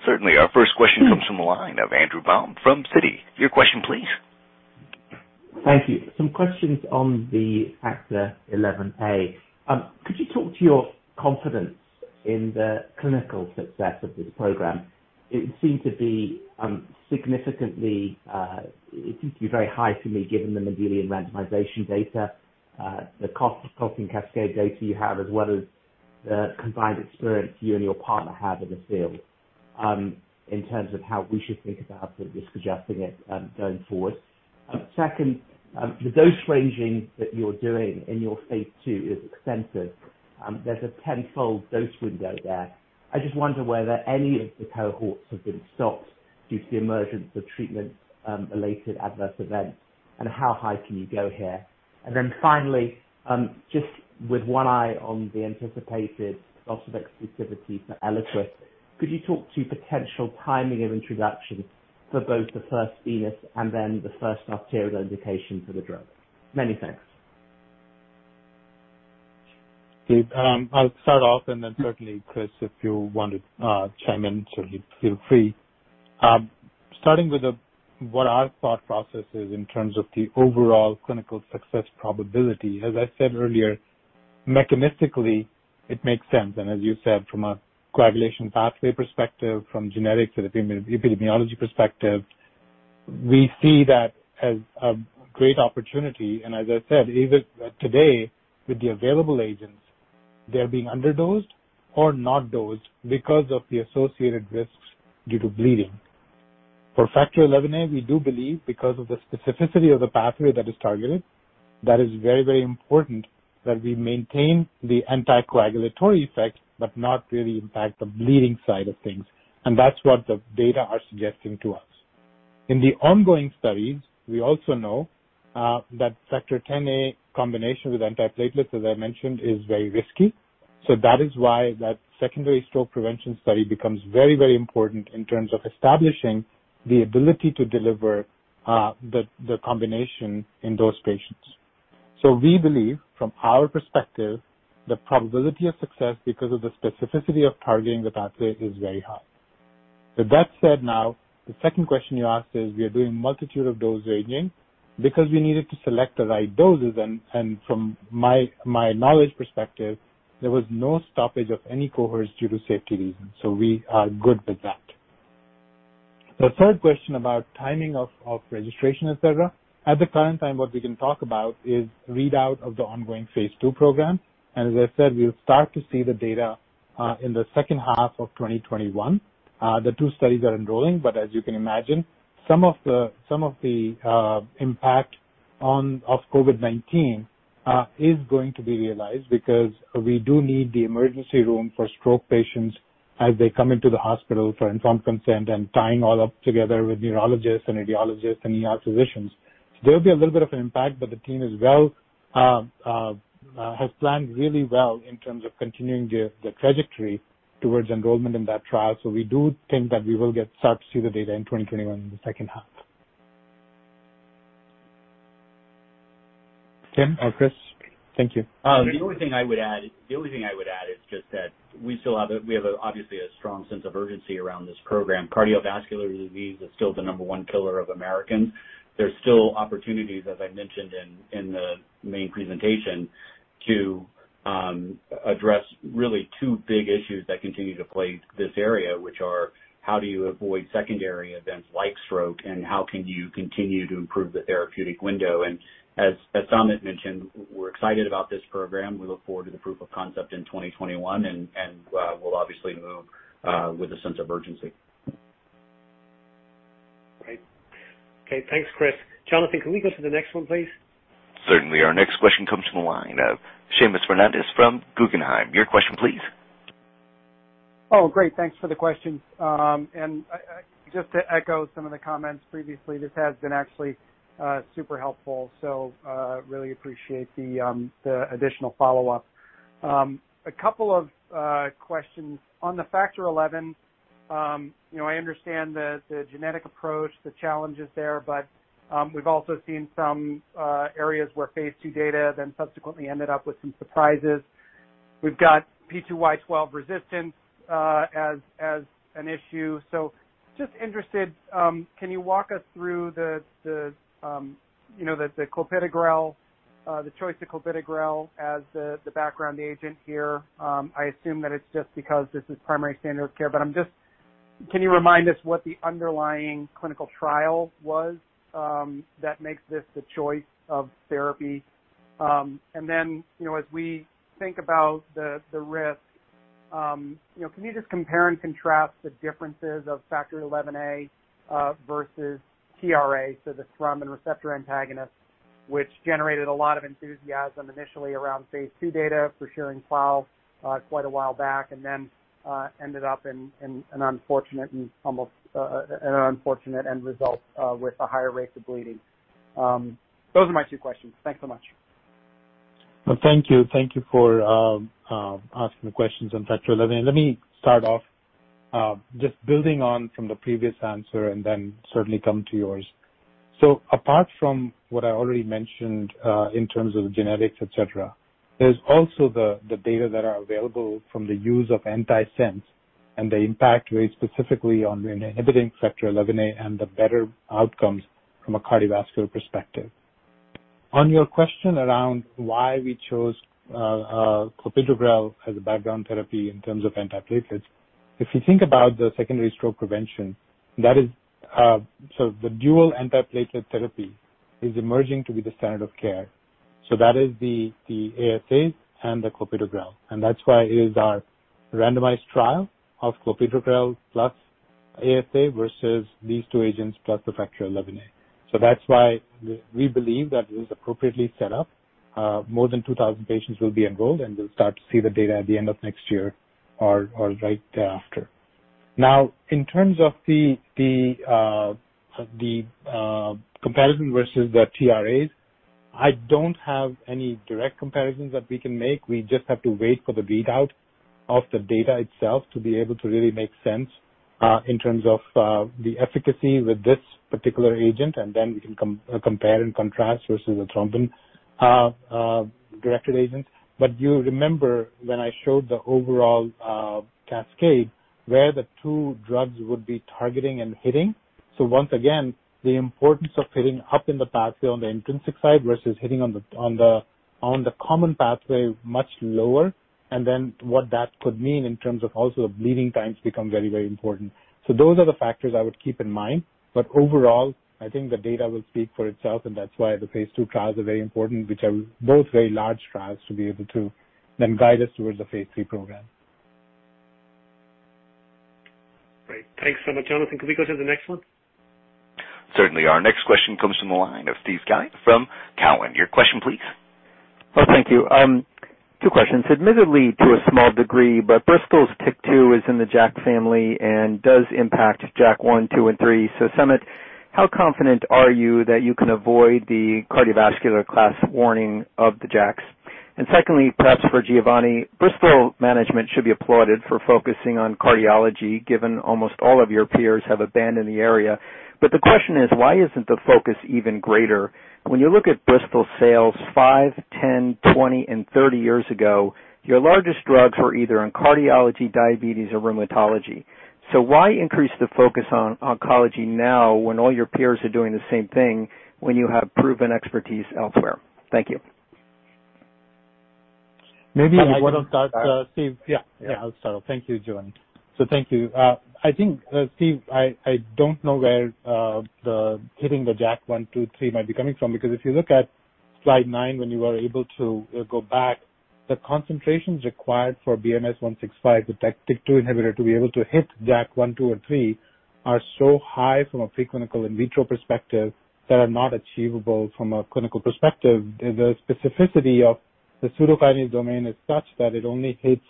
Certainly. Our first question comes from the line of Andrew Baum from Citi. Your question please. Thank you. Some questions on the Factor XI(a). Could you talk to your confidence in the clinical success of this program? It seems to be very high to me, given the Mendelian randomization data, the cost-of-coagulant cascade data you have, as well as the combined experience you and your partner have in the field, in terms of how we should think about the risk-adjusting it going forward. The dose ranging that you're doing in your phase II is extensive. There's a tenfold dose window there. I just wonder whether any of the cohorts have been stopped due to the emergence of treatment-related adverse events and how high can you go here? Finally, just with one eye on the anticipated loss of exclusivity for ELIQUIS, could you talk to potential timing of introduction for both the first venous and then the first arterial indication for the drug? Many thanks. I'll start off and then certainly, Chris, if you want to chime in, totally feel free. Starting with what our thought process is in terms of the overall clinical success probability. As I said earlier, mechanistically it makes sense. As you said, from a coagulation pathway perspective, from genetic to the epidemiology perspective, we see that as a great opportunity. As I said, even today with the available agents, they're being underdosed or not dosed because of the associated risks due to bleeding. For factor XIa, we do believe because of the specificity of the pathway that is targeted, that it is very, very important that we maintain the anti-coagulatory effect, but not really impact the bleeding side of things. That's what the data are suggesting to us. In the ongoing studies, we also know that factor Xa combination with antiplatelets, as I mentioned, is very risky. That is why that secondary stroke prevention study becomes very, very important in terms of establishing the ability to deliver the combination in those patients. We believe from our perspective, the probability of success because of the specificity of targeting the pathway is very high. With that said now, the second question you asked is we are doing multitude of dose ranging because we needed to select the right doses and from my knowledge perspective, there was no stoppage of any cohorts due to safety reasons. We are good with that. The third question about timing of registration, et cetera. At the current time, what we can talk about is readout of the ongoing phase II program. As I said, we'll start to see the data in the second half of 2021. The two studies are enrolling, but as you can imagine, some of the impact of COVID-19 is going to be realized because we do need the emergency room for stroke patients as they come into the hospital for informed consent and tying all up together with neurologists and radiologists and ER physicians. There'll be a little bit of an impact, but the team has planned really well in terms of continuing the trajectory towards enrollment in that trial. We do think that we will start to see the data in 2021 in the second half. Tim or Chris? Thank you. The only thing I would add is just that we have obviously a strong sense of urgency around this program. Cardiovascular disease is still the number one killer of Americans. There's still opportunities, as I mentioned in the main presentation, to address really two big issues that continue to plague this area, which are how do you avoid secondary events like stroke and how can you continue to improve the therapeutic window? As Samit mentioned, we're excited about this program. We look forward to the proof of concept in 2021 and we'll obviously move with a sense of urgency. Great. Okay, thanks, Chris. Jonathan, can we go to the next one, please? Certainly. Our next question comes from the line of Seamus Fernandez from Guggenheim. Your question, please. Oh, great, thanks for the question. Just to echo some of the comments previously, this has been actually super helpful. Really appreciate the additional follow-up. A couple of questions on the factor XI. I understand the genetic approach, the challenges there. We've also seen some areas where phase II data then subsequently ended up with some surprises. We've got P2Y12 resistance as an issue. Just interested, can you walk us through the choice of clopidogrel as the background agent here? I assume that it's just because this is primary standard of care, but can you remind us what the underlying clinical trial was that makes this the choice of therapy? Then, as we think about the risk, can you just compare and contrast the differences of factor XIa versus TRA, so the thrombin receptor antagonist, which generated a lot of enthusiasm initially around phase II data for vorapaxar quite a while back and then ended up in an unfortunate end result with a higher rate of bleeding. Those are my two questions. Thanks so much. Well, thank you. Thank you for asking the questions on factor XIa. Let me start off just building on from the previous answer and then certainly come to yours. Apart from what I already mentioned in terms of the genetics, et cetera, there is also the data that are available from the use of antisense and the impact very specifically on inhibiting factor XIa and the better outcomes from a cardiovascular perspective. On your question around why we chose clopidogrel as a background therapy in terms of antiplatelets, if you think about the secondary stroke prevention, the dual antiplatelet therapy is emerging to be the standard of care. That is the ASA and the clopidogrel. That is why it is our randomized trial of clopidogrel plus ASA versus these two agents plus the factor XIa. That is why we believe that it is appropriately set up. More than 2,000 patients will be enrolled, and we'll start to see the data at the end of next year or right thereafter. In terms of the comparison versus the TRAs, I don't have any direct comparisons that we can make. We just have to wait for the readout of the data itself to be able to really make sense in terms of the efficacy with this particular agent, then we can compare and contrast versus the thrombin-directed agent. You remember when I showed the overall cascade where the two drugs would be targeting and hitting. Once again, the importance of hitting up in the pathway on the intrinsic side versus hitting on the common pathway much lower, then what that could mean in terms of also bleeding times become very important. Those are the factors I would keep in mind. Overall, I think the data will speak for itself, and that's why the phase II trials are very important, which are both very large trials to be able to then guide us towards the phase III program. Great. Thanks so much, Jonathan. Could we go to the next one? Certainly. Our next question comes from the line of Steve Scala from Cowen. Your question, please. Well, thank you. Two questions. Admittedly to a small degree, Bristol's TYK2 is in the JAK family and does impact JAK1, 2, and 3. Samit, how confident are you that you can avoid the cardiovascular class warning of the JAKs? Secondly, perhaps for Giovanni, Bristol management should be applauded for focusing on cardiology, given almost all of your peers have abandoned the area. The question is, why isn't the focus even greater? When you look at Bristol sales five, 10, 20, and 30 years ago, your largest drugs were either in cardiology, diabetes, or rheumatology. Why increase the focus on oncology now when all your peers are doing the same thing when you have proven expertise elsewhere? Thank you. Maybe I want to start. Steve, yeah. Yeah. Yeah, I'll start off. Thank you, Giovanni. Thank you. I think, Steve, I don't know where the hitting the JAK1, 2, 3 might be coming from, because if you look at slide nine, when you are able to go back, the concentrations required for BMS-986165, the TYK2 inhibitor, to be able to hit JAK1, 2, and 3 are so high from a preclinical in vitro perspective that are not achievable from a clinical perspective. The specificity of the pseudokinase domain is such that it only hits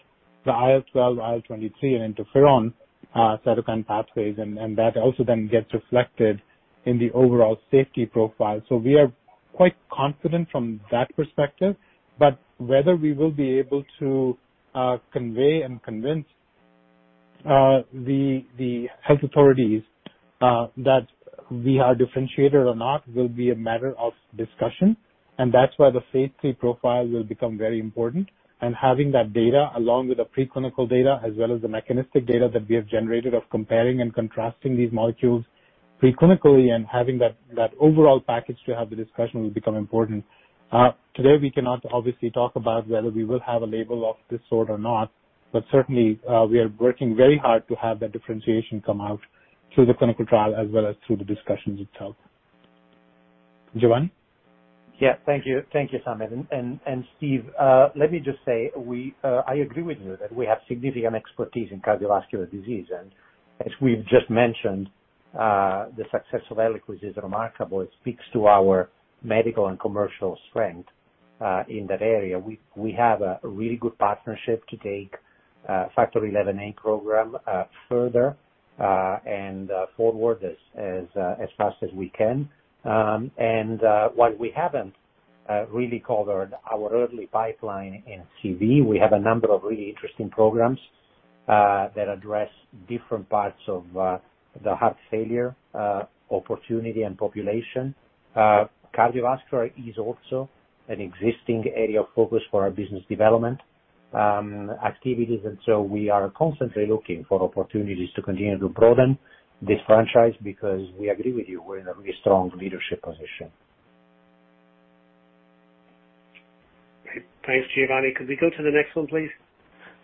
the IL-12, IL-23, and interferon cytokine pathways, and that also then gets reflected in the overall safety profile. We are quite confident from that perspective. Whether we will be able to convey and convince the health authorities that we are differentiated or not will be a matter of discussion, and that's why the phase III profile will become very important. Having that data along with the preclinical data, as well as the mechanistic data that we have generated of comparing and contrasting these molecules preclinically and having that overall package to have the discussion will become important. Today, we cannot obviously talk about whether we will have a label of this sort or not. Certainly, we are working very hard to have that differentiation come out through the clinical trial as well as through the discussions itself. Giovanni? Yeah. Thank you, Samit. Steve, let me just say, I agree with you that we have significant expertise in cardiovascular disease. As we've just mentioned, the success of ELIQUIS is remarkable. It speaks to our medical and commercial strength in that area. We have a really good partnership to take factor XIa program further and forward as fast as we can. While we haven't really covered our early pipeline in CV. We have a number of really interesting programs that address different parts of the heart failure opportunity and population. Cardiovascular is also an existing area of focus for our business development activities. We are constantly looking for opportunities to continue to broaden this franchise because we agree with you, we're in a really strong leadership position. Great. Thanks, Giovanni. Could we go to the next one, please?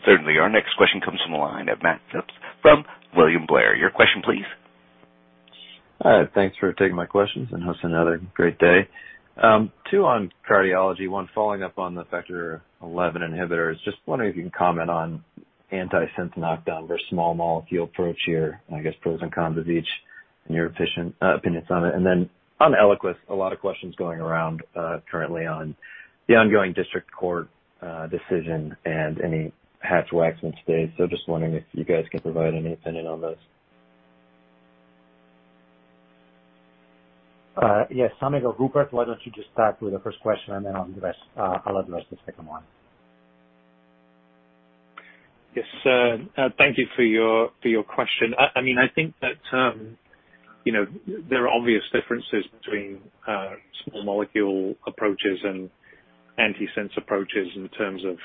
Certainly. Our next question comes from the line of Matt Sims from William Blair. Your question, please. Thanks for taking my questions and hosting another great day. Two on cardiology. One following up on the factor XI inhibitors. Just wondering if you can comment on antisense knockdown versus small molecule approach here, I guess pros and cons of each and your opinions on it. Then on ELIQUIS, a lot of questions going around currently on the ongoing district court decision and any Hatch-Waxman stays. Just wondering if you guys can provide any opinion on those. Yes. Samit, Rupert, why don't you just start with the first question and then I'll address the second one. Yes. Thank you for your question. I think that there are obvious differences between small molecule approaches and antisense approaches in terms of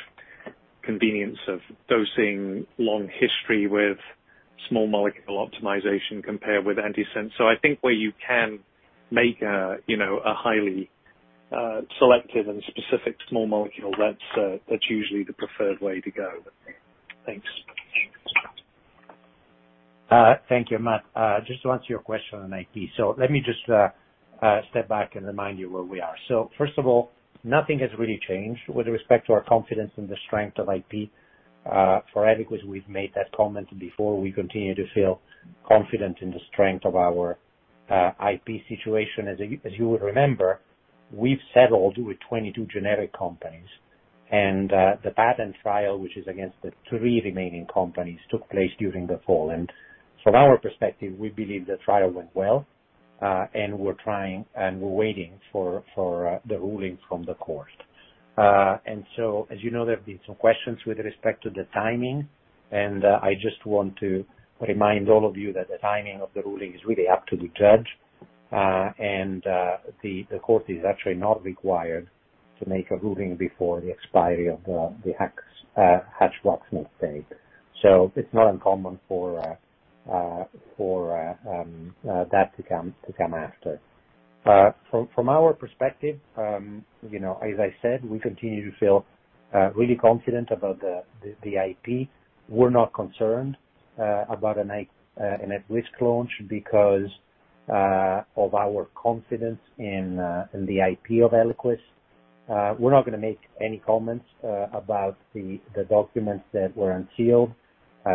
convenience of dosing, long history with small molecule optimization compared with antisense. I think where you can make a highly selective and specific small molecule, that's usually the preferred way to go. Thanks. Thank you, Matt. Just to answer your question on IP. Let me just step back and remind you where we are. First of all, nothing has really changed with respect to our confidence in the strength of IP. For ELIQUIS, we've made that comment before. We continue to feel confident in the strength of our IP situation. As you would remember, we've settled with 22 generic companies. The patent trial, which is against the three remaining companies, took place during the fall. From our perspective, we believe the trial went well. We're waiting for the ruling from the court. As you know, there have been some questions with respect to the timing. I just want to remind all of you that the timing of the ruling is really up to the judge. The court is actually not required to make a ruling before the expiry of the Hatch-Waxman stay. It's not uncommon for that to come after. From our perspective, as I said, we continue to feel really confident about the IP. We're not concerned about an at-risk launch because of our confidence in the IP of ELIQUIS. We're not going to make any comments about the documents that were unsealed.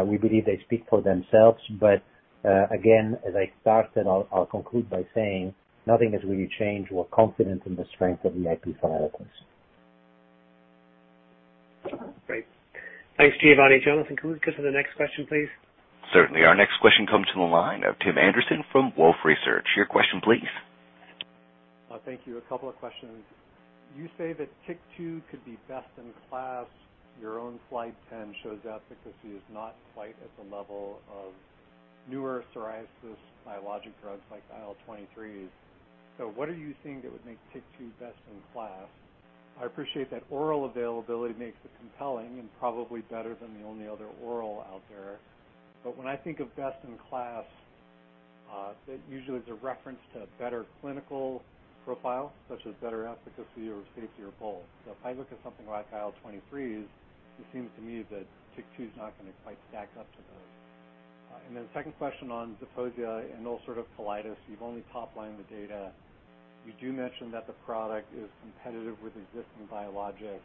We believe they speak for themselves. Again, as I started, I'll conclude by saying nothing has really changed. We're confident in the strength of the IP for ELIQUIS. Great. Thanks, Giovanni. Jonathan, can we go to the next question, please? Certainly. Our next question comes from the line of Tim Anderson from Wolfe Research. Your question, please. Thank you. A couple of questions. You say that TYK2 could be best in class. Your own FLIGHT-10 shows efficacy is not quite at the level of newer psoriasis biologic drugs like IL-23s. What are you seeing that would make TYK2 best in class? I appreciate that oral availability makes it compelling and probably better than the only other oral out there. When I think of best in class, it usually is a reference to better clinical profile, such as better efficacy or safety or both. If I look at something like IL-23s, it seems to me that TYK2's not going to quite stack up to those. The second question on ZEPOSIA and ulcerative colitis. You've only top-lined the data. You do mention that the product is competitive with existing biologics.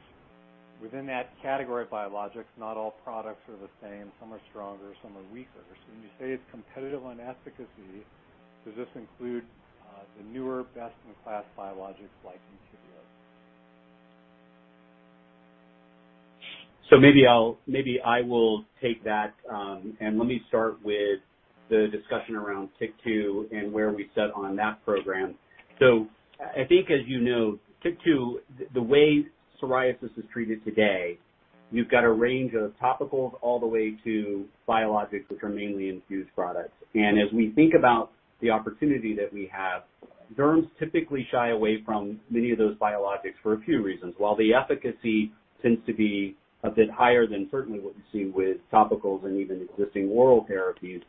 Within that category of biologics, not all products are the same. Some are stronger, some are weaker. When you say it's competitive on efficacy, does this include the newer best-in-class biologics like ENTYVIO? Maybe I will take that. Let me start with the discussion around TYK2 and where we sit on that program. I think as you know, TYK2, the way psoriasis is treated today, you've got a range of topicals all the way to biologics, which are mainly infused products. As we think about the opportunity that we have, derms typically shy away from many of those biologics for a few reasons. While the efficacy tends to be a bit higher than certainly what we see with topicals and even existing oral therapies,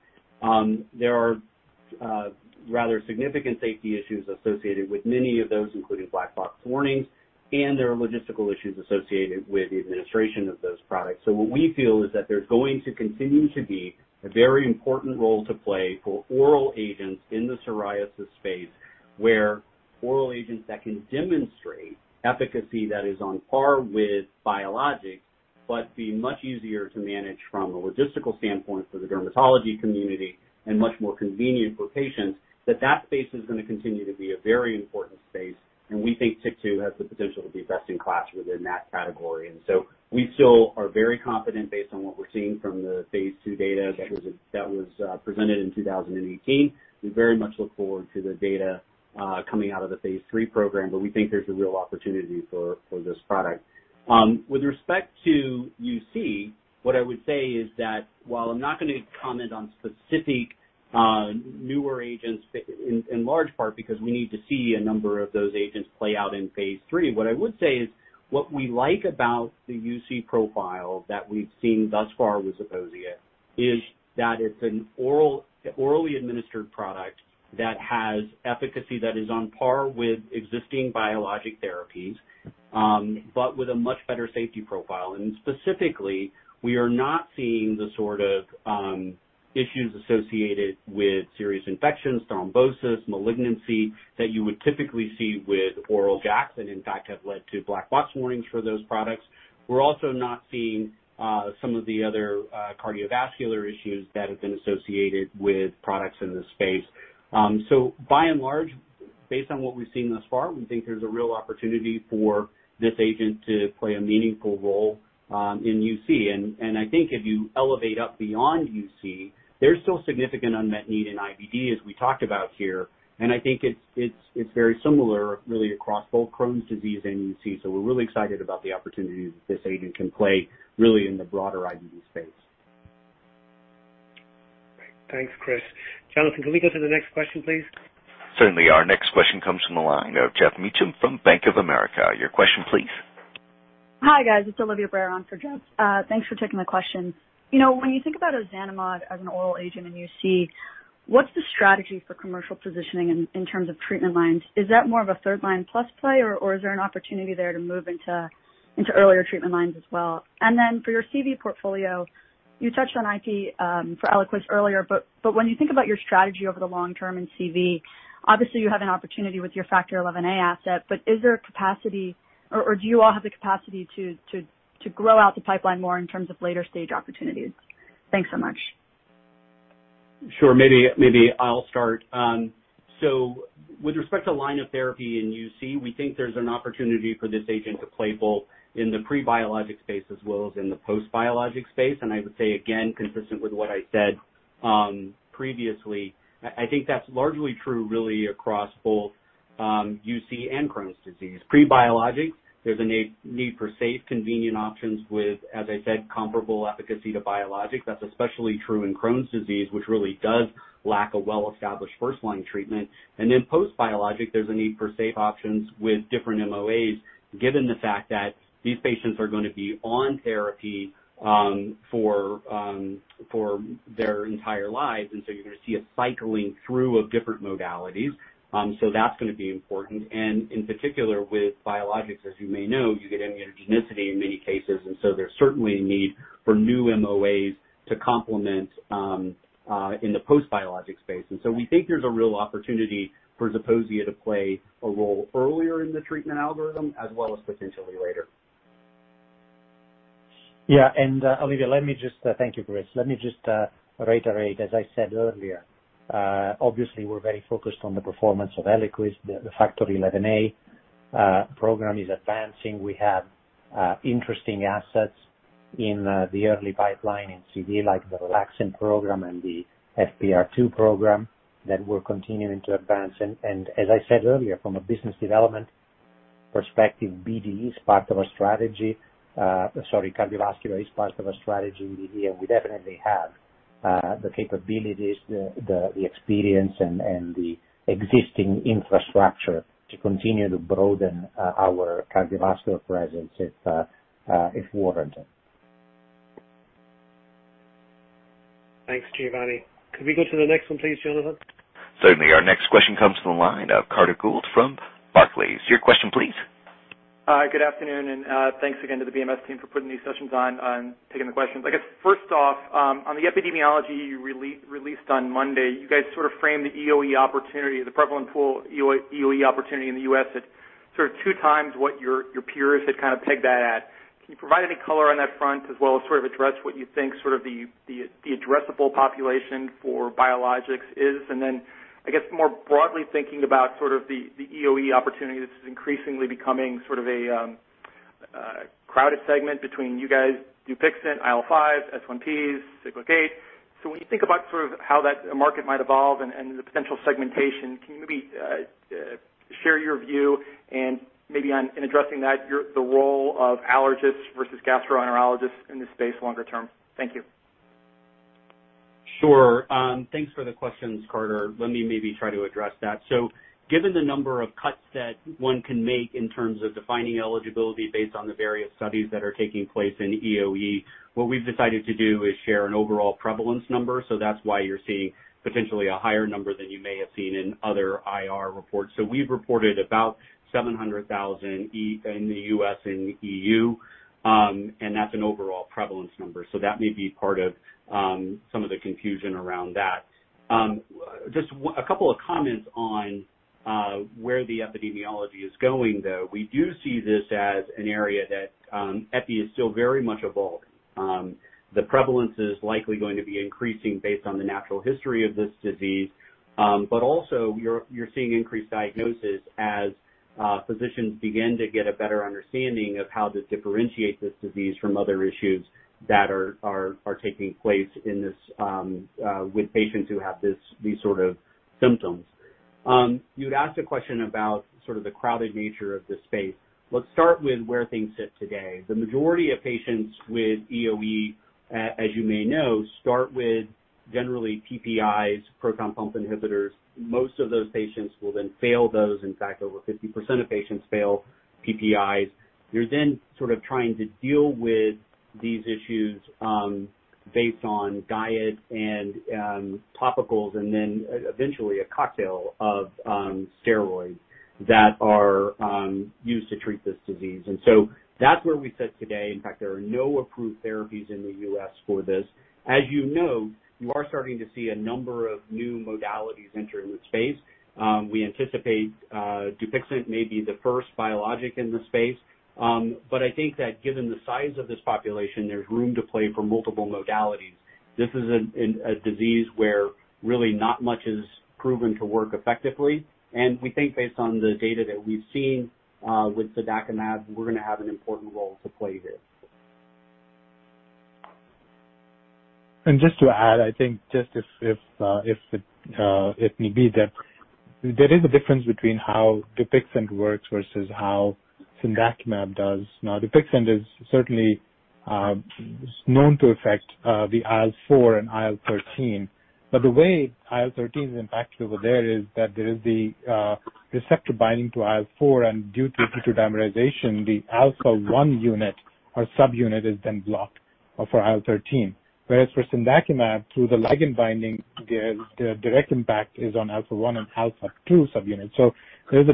there are rather significant safety issues associated with many of those, including black box warnings. There are logistical issues associated with the administration of those products. What we feel is that there's going to continue to be a very important role to play for oral agents in the psoriasis space, where oral agents that can demonstrate efficacy that is on par with biologics, but be much easier to manage from a logistical standpoint for the dermatology community and much more convenient for patients, that space is going to continue to be a very important space, and we think TYK2 has the potentialThe best in class within that category. We still are very confident based on what we're seeing from the phase II data. Sure that was presented in 2018. We very much look forward to the data coming out of the phase III program, but we think there's a real opportunity for this product. With respect to UC, what I would say is that while I'm not going to comment on specific newer agents, in large part because we need to see a number of those agents play out in phase III. What I would say is, what we like about the UC profile that we've seen thus far with ZEPOSIA, is that it's an orally administered product that has efficacy that is on par with existing biologic therapies, but with a much better safety profile. Specifically, we are not seeing the sort of issues associated with serious infections, thrombosis, malignancy, that you would typically see with oral JAKs, and in fact have led to black box warnings for those products. We're also not seeing some of the other cardiovascular issues that have been associated with products in this space. By and large, based on what we've seen thus far, we think there's a real opportunity for this agent to play a meaningful role in UC. I think if you elevate up beyond UC, there's still significant unmet need in IBD, as we talked about here. I think it's very similar, really, across both Crohn's disease and UC. We're really excited about the opportunity that this agent can play, really in the broader IBD space. Great. Thanks, Chris. Jonathan, can we go to the next question, please? Certainly. Our next question comes from the line of Geoff Meacham from Bank of America. Your question please. Hi, guys. It's Olivia Barron for Geoff. Thanks for taking my question. When you think about ozanimod as an oral agent in UC, what's the strategy for commercial positioning in terms of treatment lines? Is that more of a third-line plus play, or is there an opportunity there to move into earlier treatment lines as well? For your CV portfolio, you touched on IP for ELIQUIS earlier. When you think about your strategy over the long term in CV, obviously you have an opportunity with your factor XIa asset. Is there a capacity, or do you all have the capacity to grow out the pipeline more in terms of later stage opportunities? Thanks so much. Sure. Maybe I'll start. With respect to line of therapy in UC, we think there's an opportunity for this agent to play both in the pre-biologic space as well as in the post-biologic space. I would say again, consistent with what I said previously, I think that's largely true really across both UC and Crohn's disease. Pre-biologic, there's a need for safe, convenient options with, as I said, comparable efficacy to biologic. That's especially true in Crohn's disease, which really does lack a well-established first-line treatment. Post-biologic, there's a need for safe options with different MOAs, given the fact that these patients are going to be on therapy for their entire lives. You're going to see a cycling through of different modalities. That's going to be important. In particular, with biologics, as you may know, you get immunogenicity in many cases. There's certainly a need for new MOAs to complement in the post-biologic space. We think there's a real opportunity for ZEPOSIA to play a role earlier in the treatment algorithm as well as potentially later. Yeah. Olivia, let me just Thank you, Chris. Let me just reiterate, as I said earlier. Obviously, we're very focused on the performance of ELIQUIS. The factor XIa program is advancing. We have interesting assets in the early pipeline in CV, like the relaxin program and the FPR2 program that we're continuing to advance. As I said earlier, from a business development perspective, BD is part of our strategy. Sorry. Cardiovascular is part of our strategy. We definitely have the capabilities, the experience, and the existing infrastructure to continue to broaden our cardiovascular presence if warranted. Thanks, Giovanni. Could we go to the next one, please, Jonathan? Certainly. Our next question comes from the line of Carter Gould from Barclays. Your question, please. Good afternoon, thanks again to the BMS team for putting these sessions on and taking the questions. I guess first off, on the epidemiology you released on Monday. You guys sort of framed the EoE opportunity, the prevalent pool EoE opportunity in the U.S., at sort of two times what your peers had kind of pegged that at. Can you provide any color on that front as well as sort of address what you think sort of the addressable population for biologics is? I guess more broadly thinking about sort of the EoE opportunity. This is increasingly becoming sort of a crowded segment between you guys, DUPIXENT, IL-5s, S1Ps, Siglec-8. When you think about how that market might evolve and the potential segmentation, can you maybe share your view and maybe in addressing that, the role of allergists versus gastroenterologists in this space longer term? Thank you. Sure. Thanks for the questions, Carter. Let me maybe try to address that. Given the number of cuts that one can make in terms of defining eligibility based on the various studies that are taking place in EoE, what we've decided to do is share an overall prevalence number. That's why you're seeing potentially a higher number than you may have seen in other IR reports. We've reported about 700,000 in the U.S. and EU, and that's an overall prevalence number. That may be part of some of the confusion around that. Just a couple of comments on where the epidemiology is going, though. We do see this as an area that epi is still very much evolving. The prevalence is likely going to be increasing based on the natural history of this disease. Also, you're seeing increased diagnosis as physicians begin to get a better understanding of how to differentiate this disease from other issues that are taking place with patients who have these sort of symptoms. You had asked a question about sort of the crowded nature of this space. Let's start with where things sit today. The majority of patients with EoE, as you may know, start with generally PPIs, proton pump inhibitors. Most of those patients will then fail those. In fact, over 50% of patients fail PPIs. You're then sort of trying to deal with these issues based on diet and topicals and then eventually a cocktail of steroids that are used to treat this disease. That's where we sit today. In fact, there are no approved therapies in the U.S. for this. As you know, you are starting to see a number of new modalities enter in the space. We anticipate DUPIXENT may be the first biologic in the space. I think that given the size of this population, there's room to play for multiple modalities. This is a disease where really not much is proven to work effectively. We think based on the data that we've seen with cendakimab, we're going to have an important role to play here. Just to add, I think just if it may be that there is a difference between how DUPIXENT works versus how cendakimab does. DUPIXENT is certainly known to affect the IL-4 and IL-13. The way IL-13 is impacted over there is that there is the receptor binding to IL-4 and due to dimerization, the alpha 1 unit or subunit is then blocked for IL-13. Whereas for cendakimab, through the ligand binding, the direct impact is on alpha 1 and alpha 2 subunits. There's a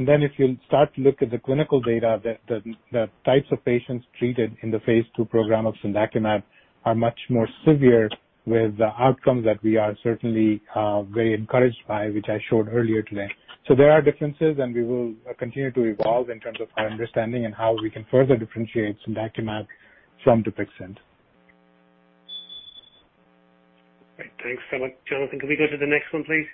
differentiation. If you start to look at the clinical data, the types of patients treated in the phase II program of cendakimab are much more severe with outcomes that we are certainly very encouraged by, which I showed earlier today. There are differences, and we will continue to evolve in terms of our understanding and how we can further differentiate cendakimab from DUPIXENT. Great. Thanks so much. Jonathan, can we go to the next one, please?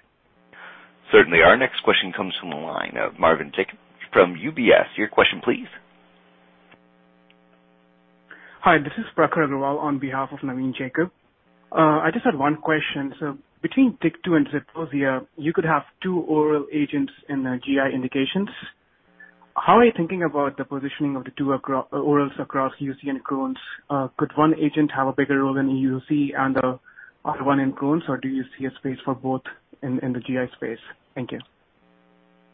Certainly. Our next question comes from the line of Navin Jacob from UBS. Your question, please. Hi, this is Prakhar Agarwal on behalf of Navin Jacob. I just had one question. Between TYK2 and ZEPOSIA, you could have two oral agents in the GI indications. How are you thinking about the positioning of the two orals across UC and Crohn's? Could one agent have a bigger role in UC and the other one in Crohn's, or do you see a space for both in the GI space? Thank you.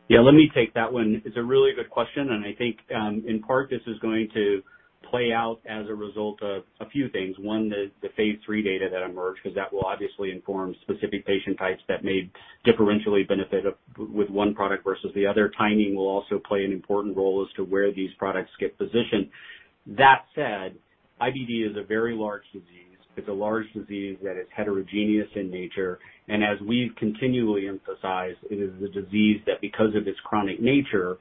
Yeah, let me take that one. It's a really good question, and I think in part this is going to play out as a result of a few things. One, the phase III data that emerge, because that will obviously inform specific patient types that may differentially benefit with one product versus the other. Timing will also play an important role as to where these products get positioned. That said, IBD is a very large disease. It's a large disease that is heterogeneous in nature. As we've continually emphasized, it is a disease that because of its chronic nature,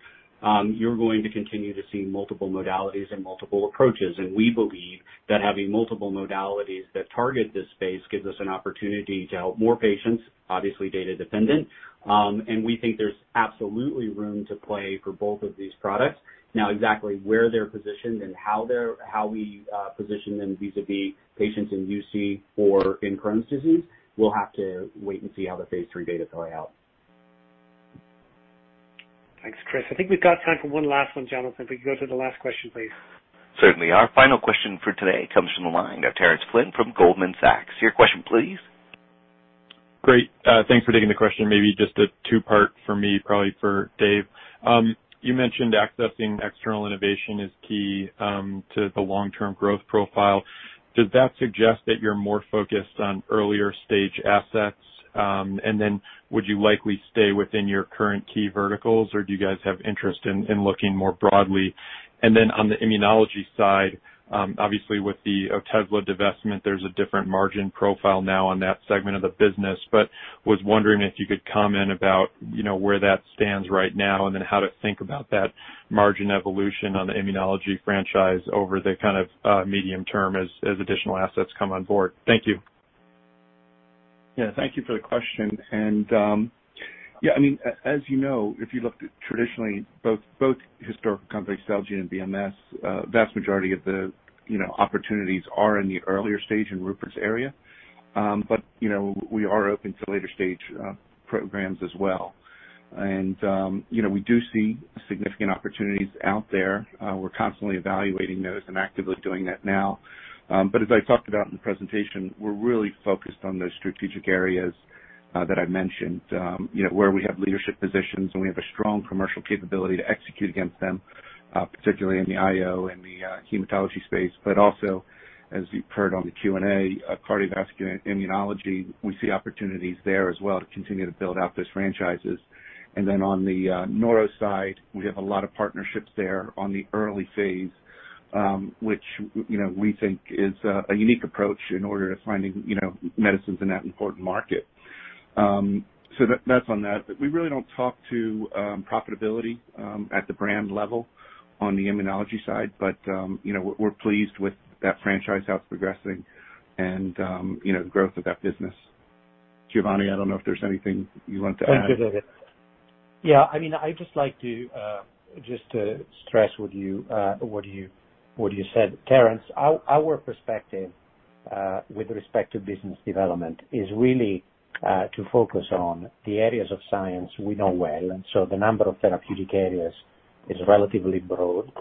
you're going to continue to see multiple modalities and multiple approaches. We believe that having multiple modalities that target this space gives us an opportunity to help more patients, obviously data dependent. We think there's absolutely room to play for both of these products. Exactly where they're positioned and how we position them vis-a-vis patients in UC or in Crohn's disease, we'll have to wait and see how the phase III data play out. Thanks, Chris. I think we've got time for one last one. Jonathan, if we could go to the last question, please. Certainly. Our final question for today comes from the line of Terence Flynn from Goldman Sachs. Your question, please. Great. Thanks for taking the question. Maybe just a two-part for me, probably for David. You mentioned accessing external innovation is key to the long-term growth profile. Does that suggest that you're more focused on earlier stage assets? Would you likely stay within your current key verticals, or do you guys have interest in looking more broadly? On the immunology side, obviously with the OTEZLA divestment, there's a different margin profile now on that segment of the business. Was wondering if you could comment about where that stands right now and then how to think about that margin evolution on the immunology franchise over the kind of medium term as additional assets come on board. Thank you. Yeah. Thank you for the question. Yeah, as you know, if you looked at traditionally both historical companies, Celgene and BMS, vast majority of the opportunities are in the earlier stage in Rupert's area. We are open to later stage programs as well. We do see significant opportunities out there. We're constantly evaluating those and actively doing that now. As I talked about in the presentation, we're really focused on those strategic areas that I mentioned where we have leadership positions and we have a strong commercial capability to execute against them, particularly in the IO and the hematology space. Also, as you've heard on the Q&A, cardiovascular and immunology, we see opportunities there as well to continue to build out those franchises. On the neuro side, we have a lot of partnerships there on the early phase, which we think is a unique approach in order to finding medicines in that important market. That's on that. We really don't talk to profitability at the brand level on the immunology side. We're pleased with that franchise, how it's progressing and the growth of that business. Giovanni, I don't know if there's anything you want to add. Thank you, David. Yeah, I'd just like to just stress with you what you said, Terence. Our perspective with respect to business development is really to focus on the areas of science we know well. The number of therapeutic areas is relatively broad.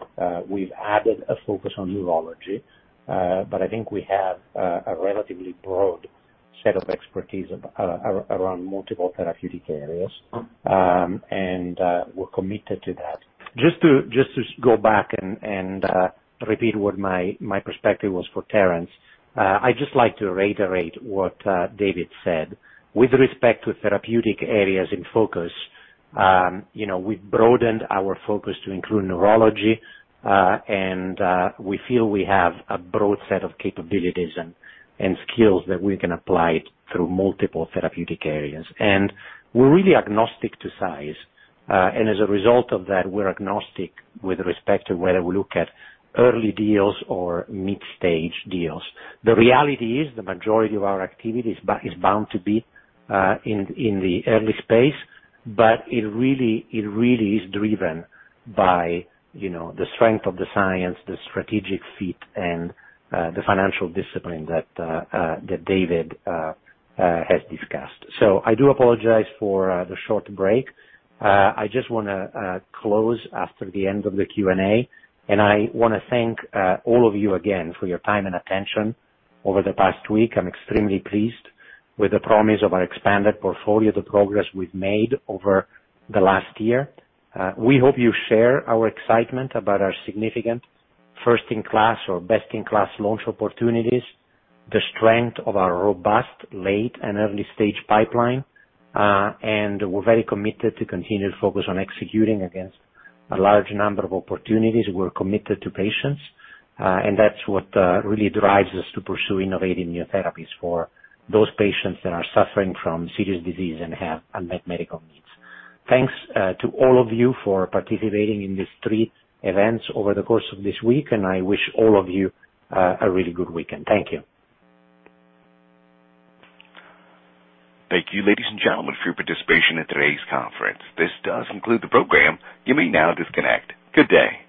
We've added a focus on neurology, I think we have a relatively broad set of expertise around multiple therapeutic areas. We're committed to that. Just to go back and repeat what my perspective was for Terence. I'd just like to reiterate what David said. With respect to therapeutic areas in focus, we've broadened our focus to include neurology, we feel we have a broad set of capabilities and skills that we can apply through multiple therapeutic areas. We're really agnostic to size. As a result of that, we're agnostic with respect to whether we look at early deals or mid-stage deals. The reality is the majority of our activities is bound to be in the early space, but it really is driven by the strength of the science, the strategic fit, and the financial discipline that David has discussed. I do apologize for the short break. I just want to close after the end of the Q&A, and I want to thank all of you again for your time and attention over the past week. I'm extremely pleased with the promise of our expanded portfolio, the progress we've made over the last year. We hope you share our excitement about our significant first-in-class or best-in-class launch opportunities, the strength of our robust late and early-stage pipeline. We're very committed to continued focus on executing against a large number of opportunities. We're committed to patients, and that's what really drives us to pursue innovating new therapies for those patients that are suffering from serious disease and have unmet medical needs. Thanks to all of you for participating in these three events over the course of this week, and I wish all of you a really good weekend. Thank you. Thank you, ladies and gentlemen, for your participation in today's conference. This does conclude the program. You may now disconnect. Good day.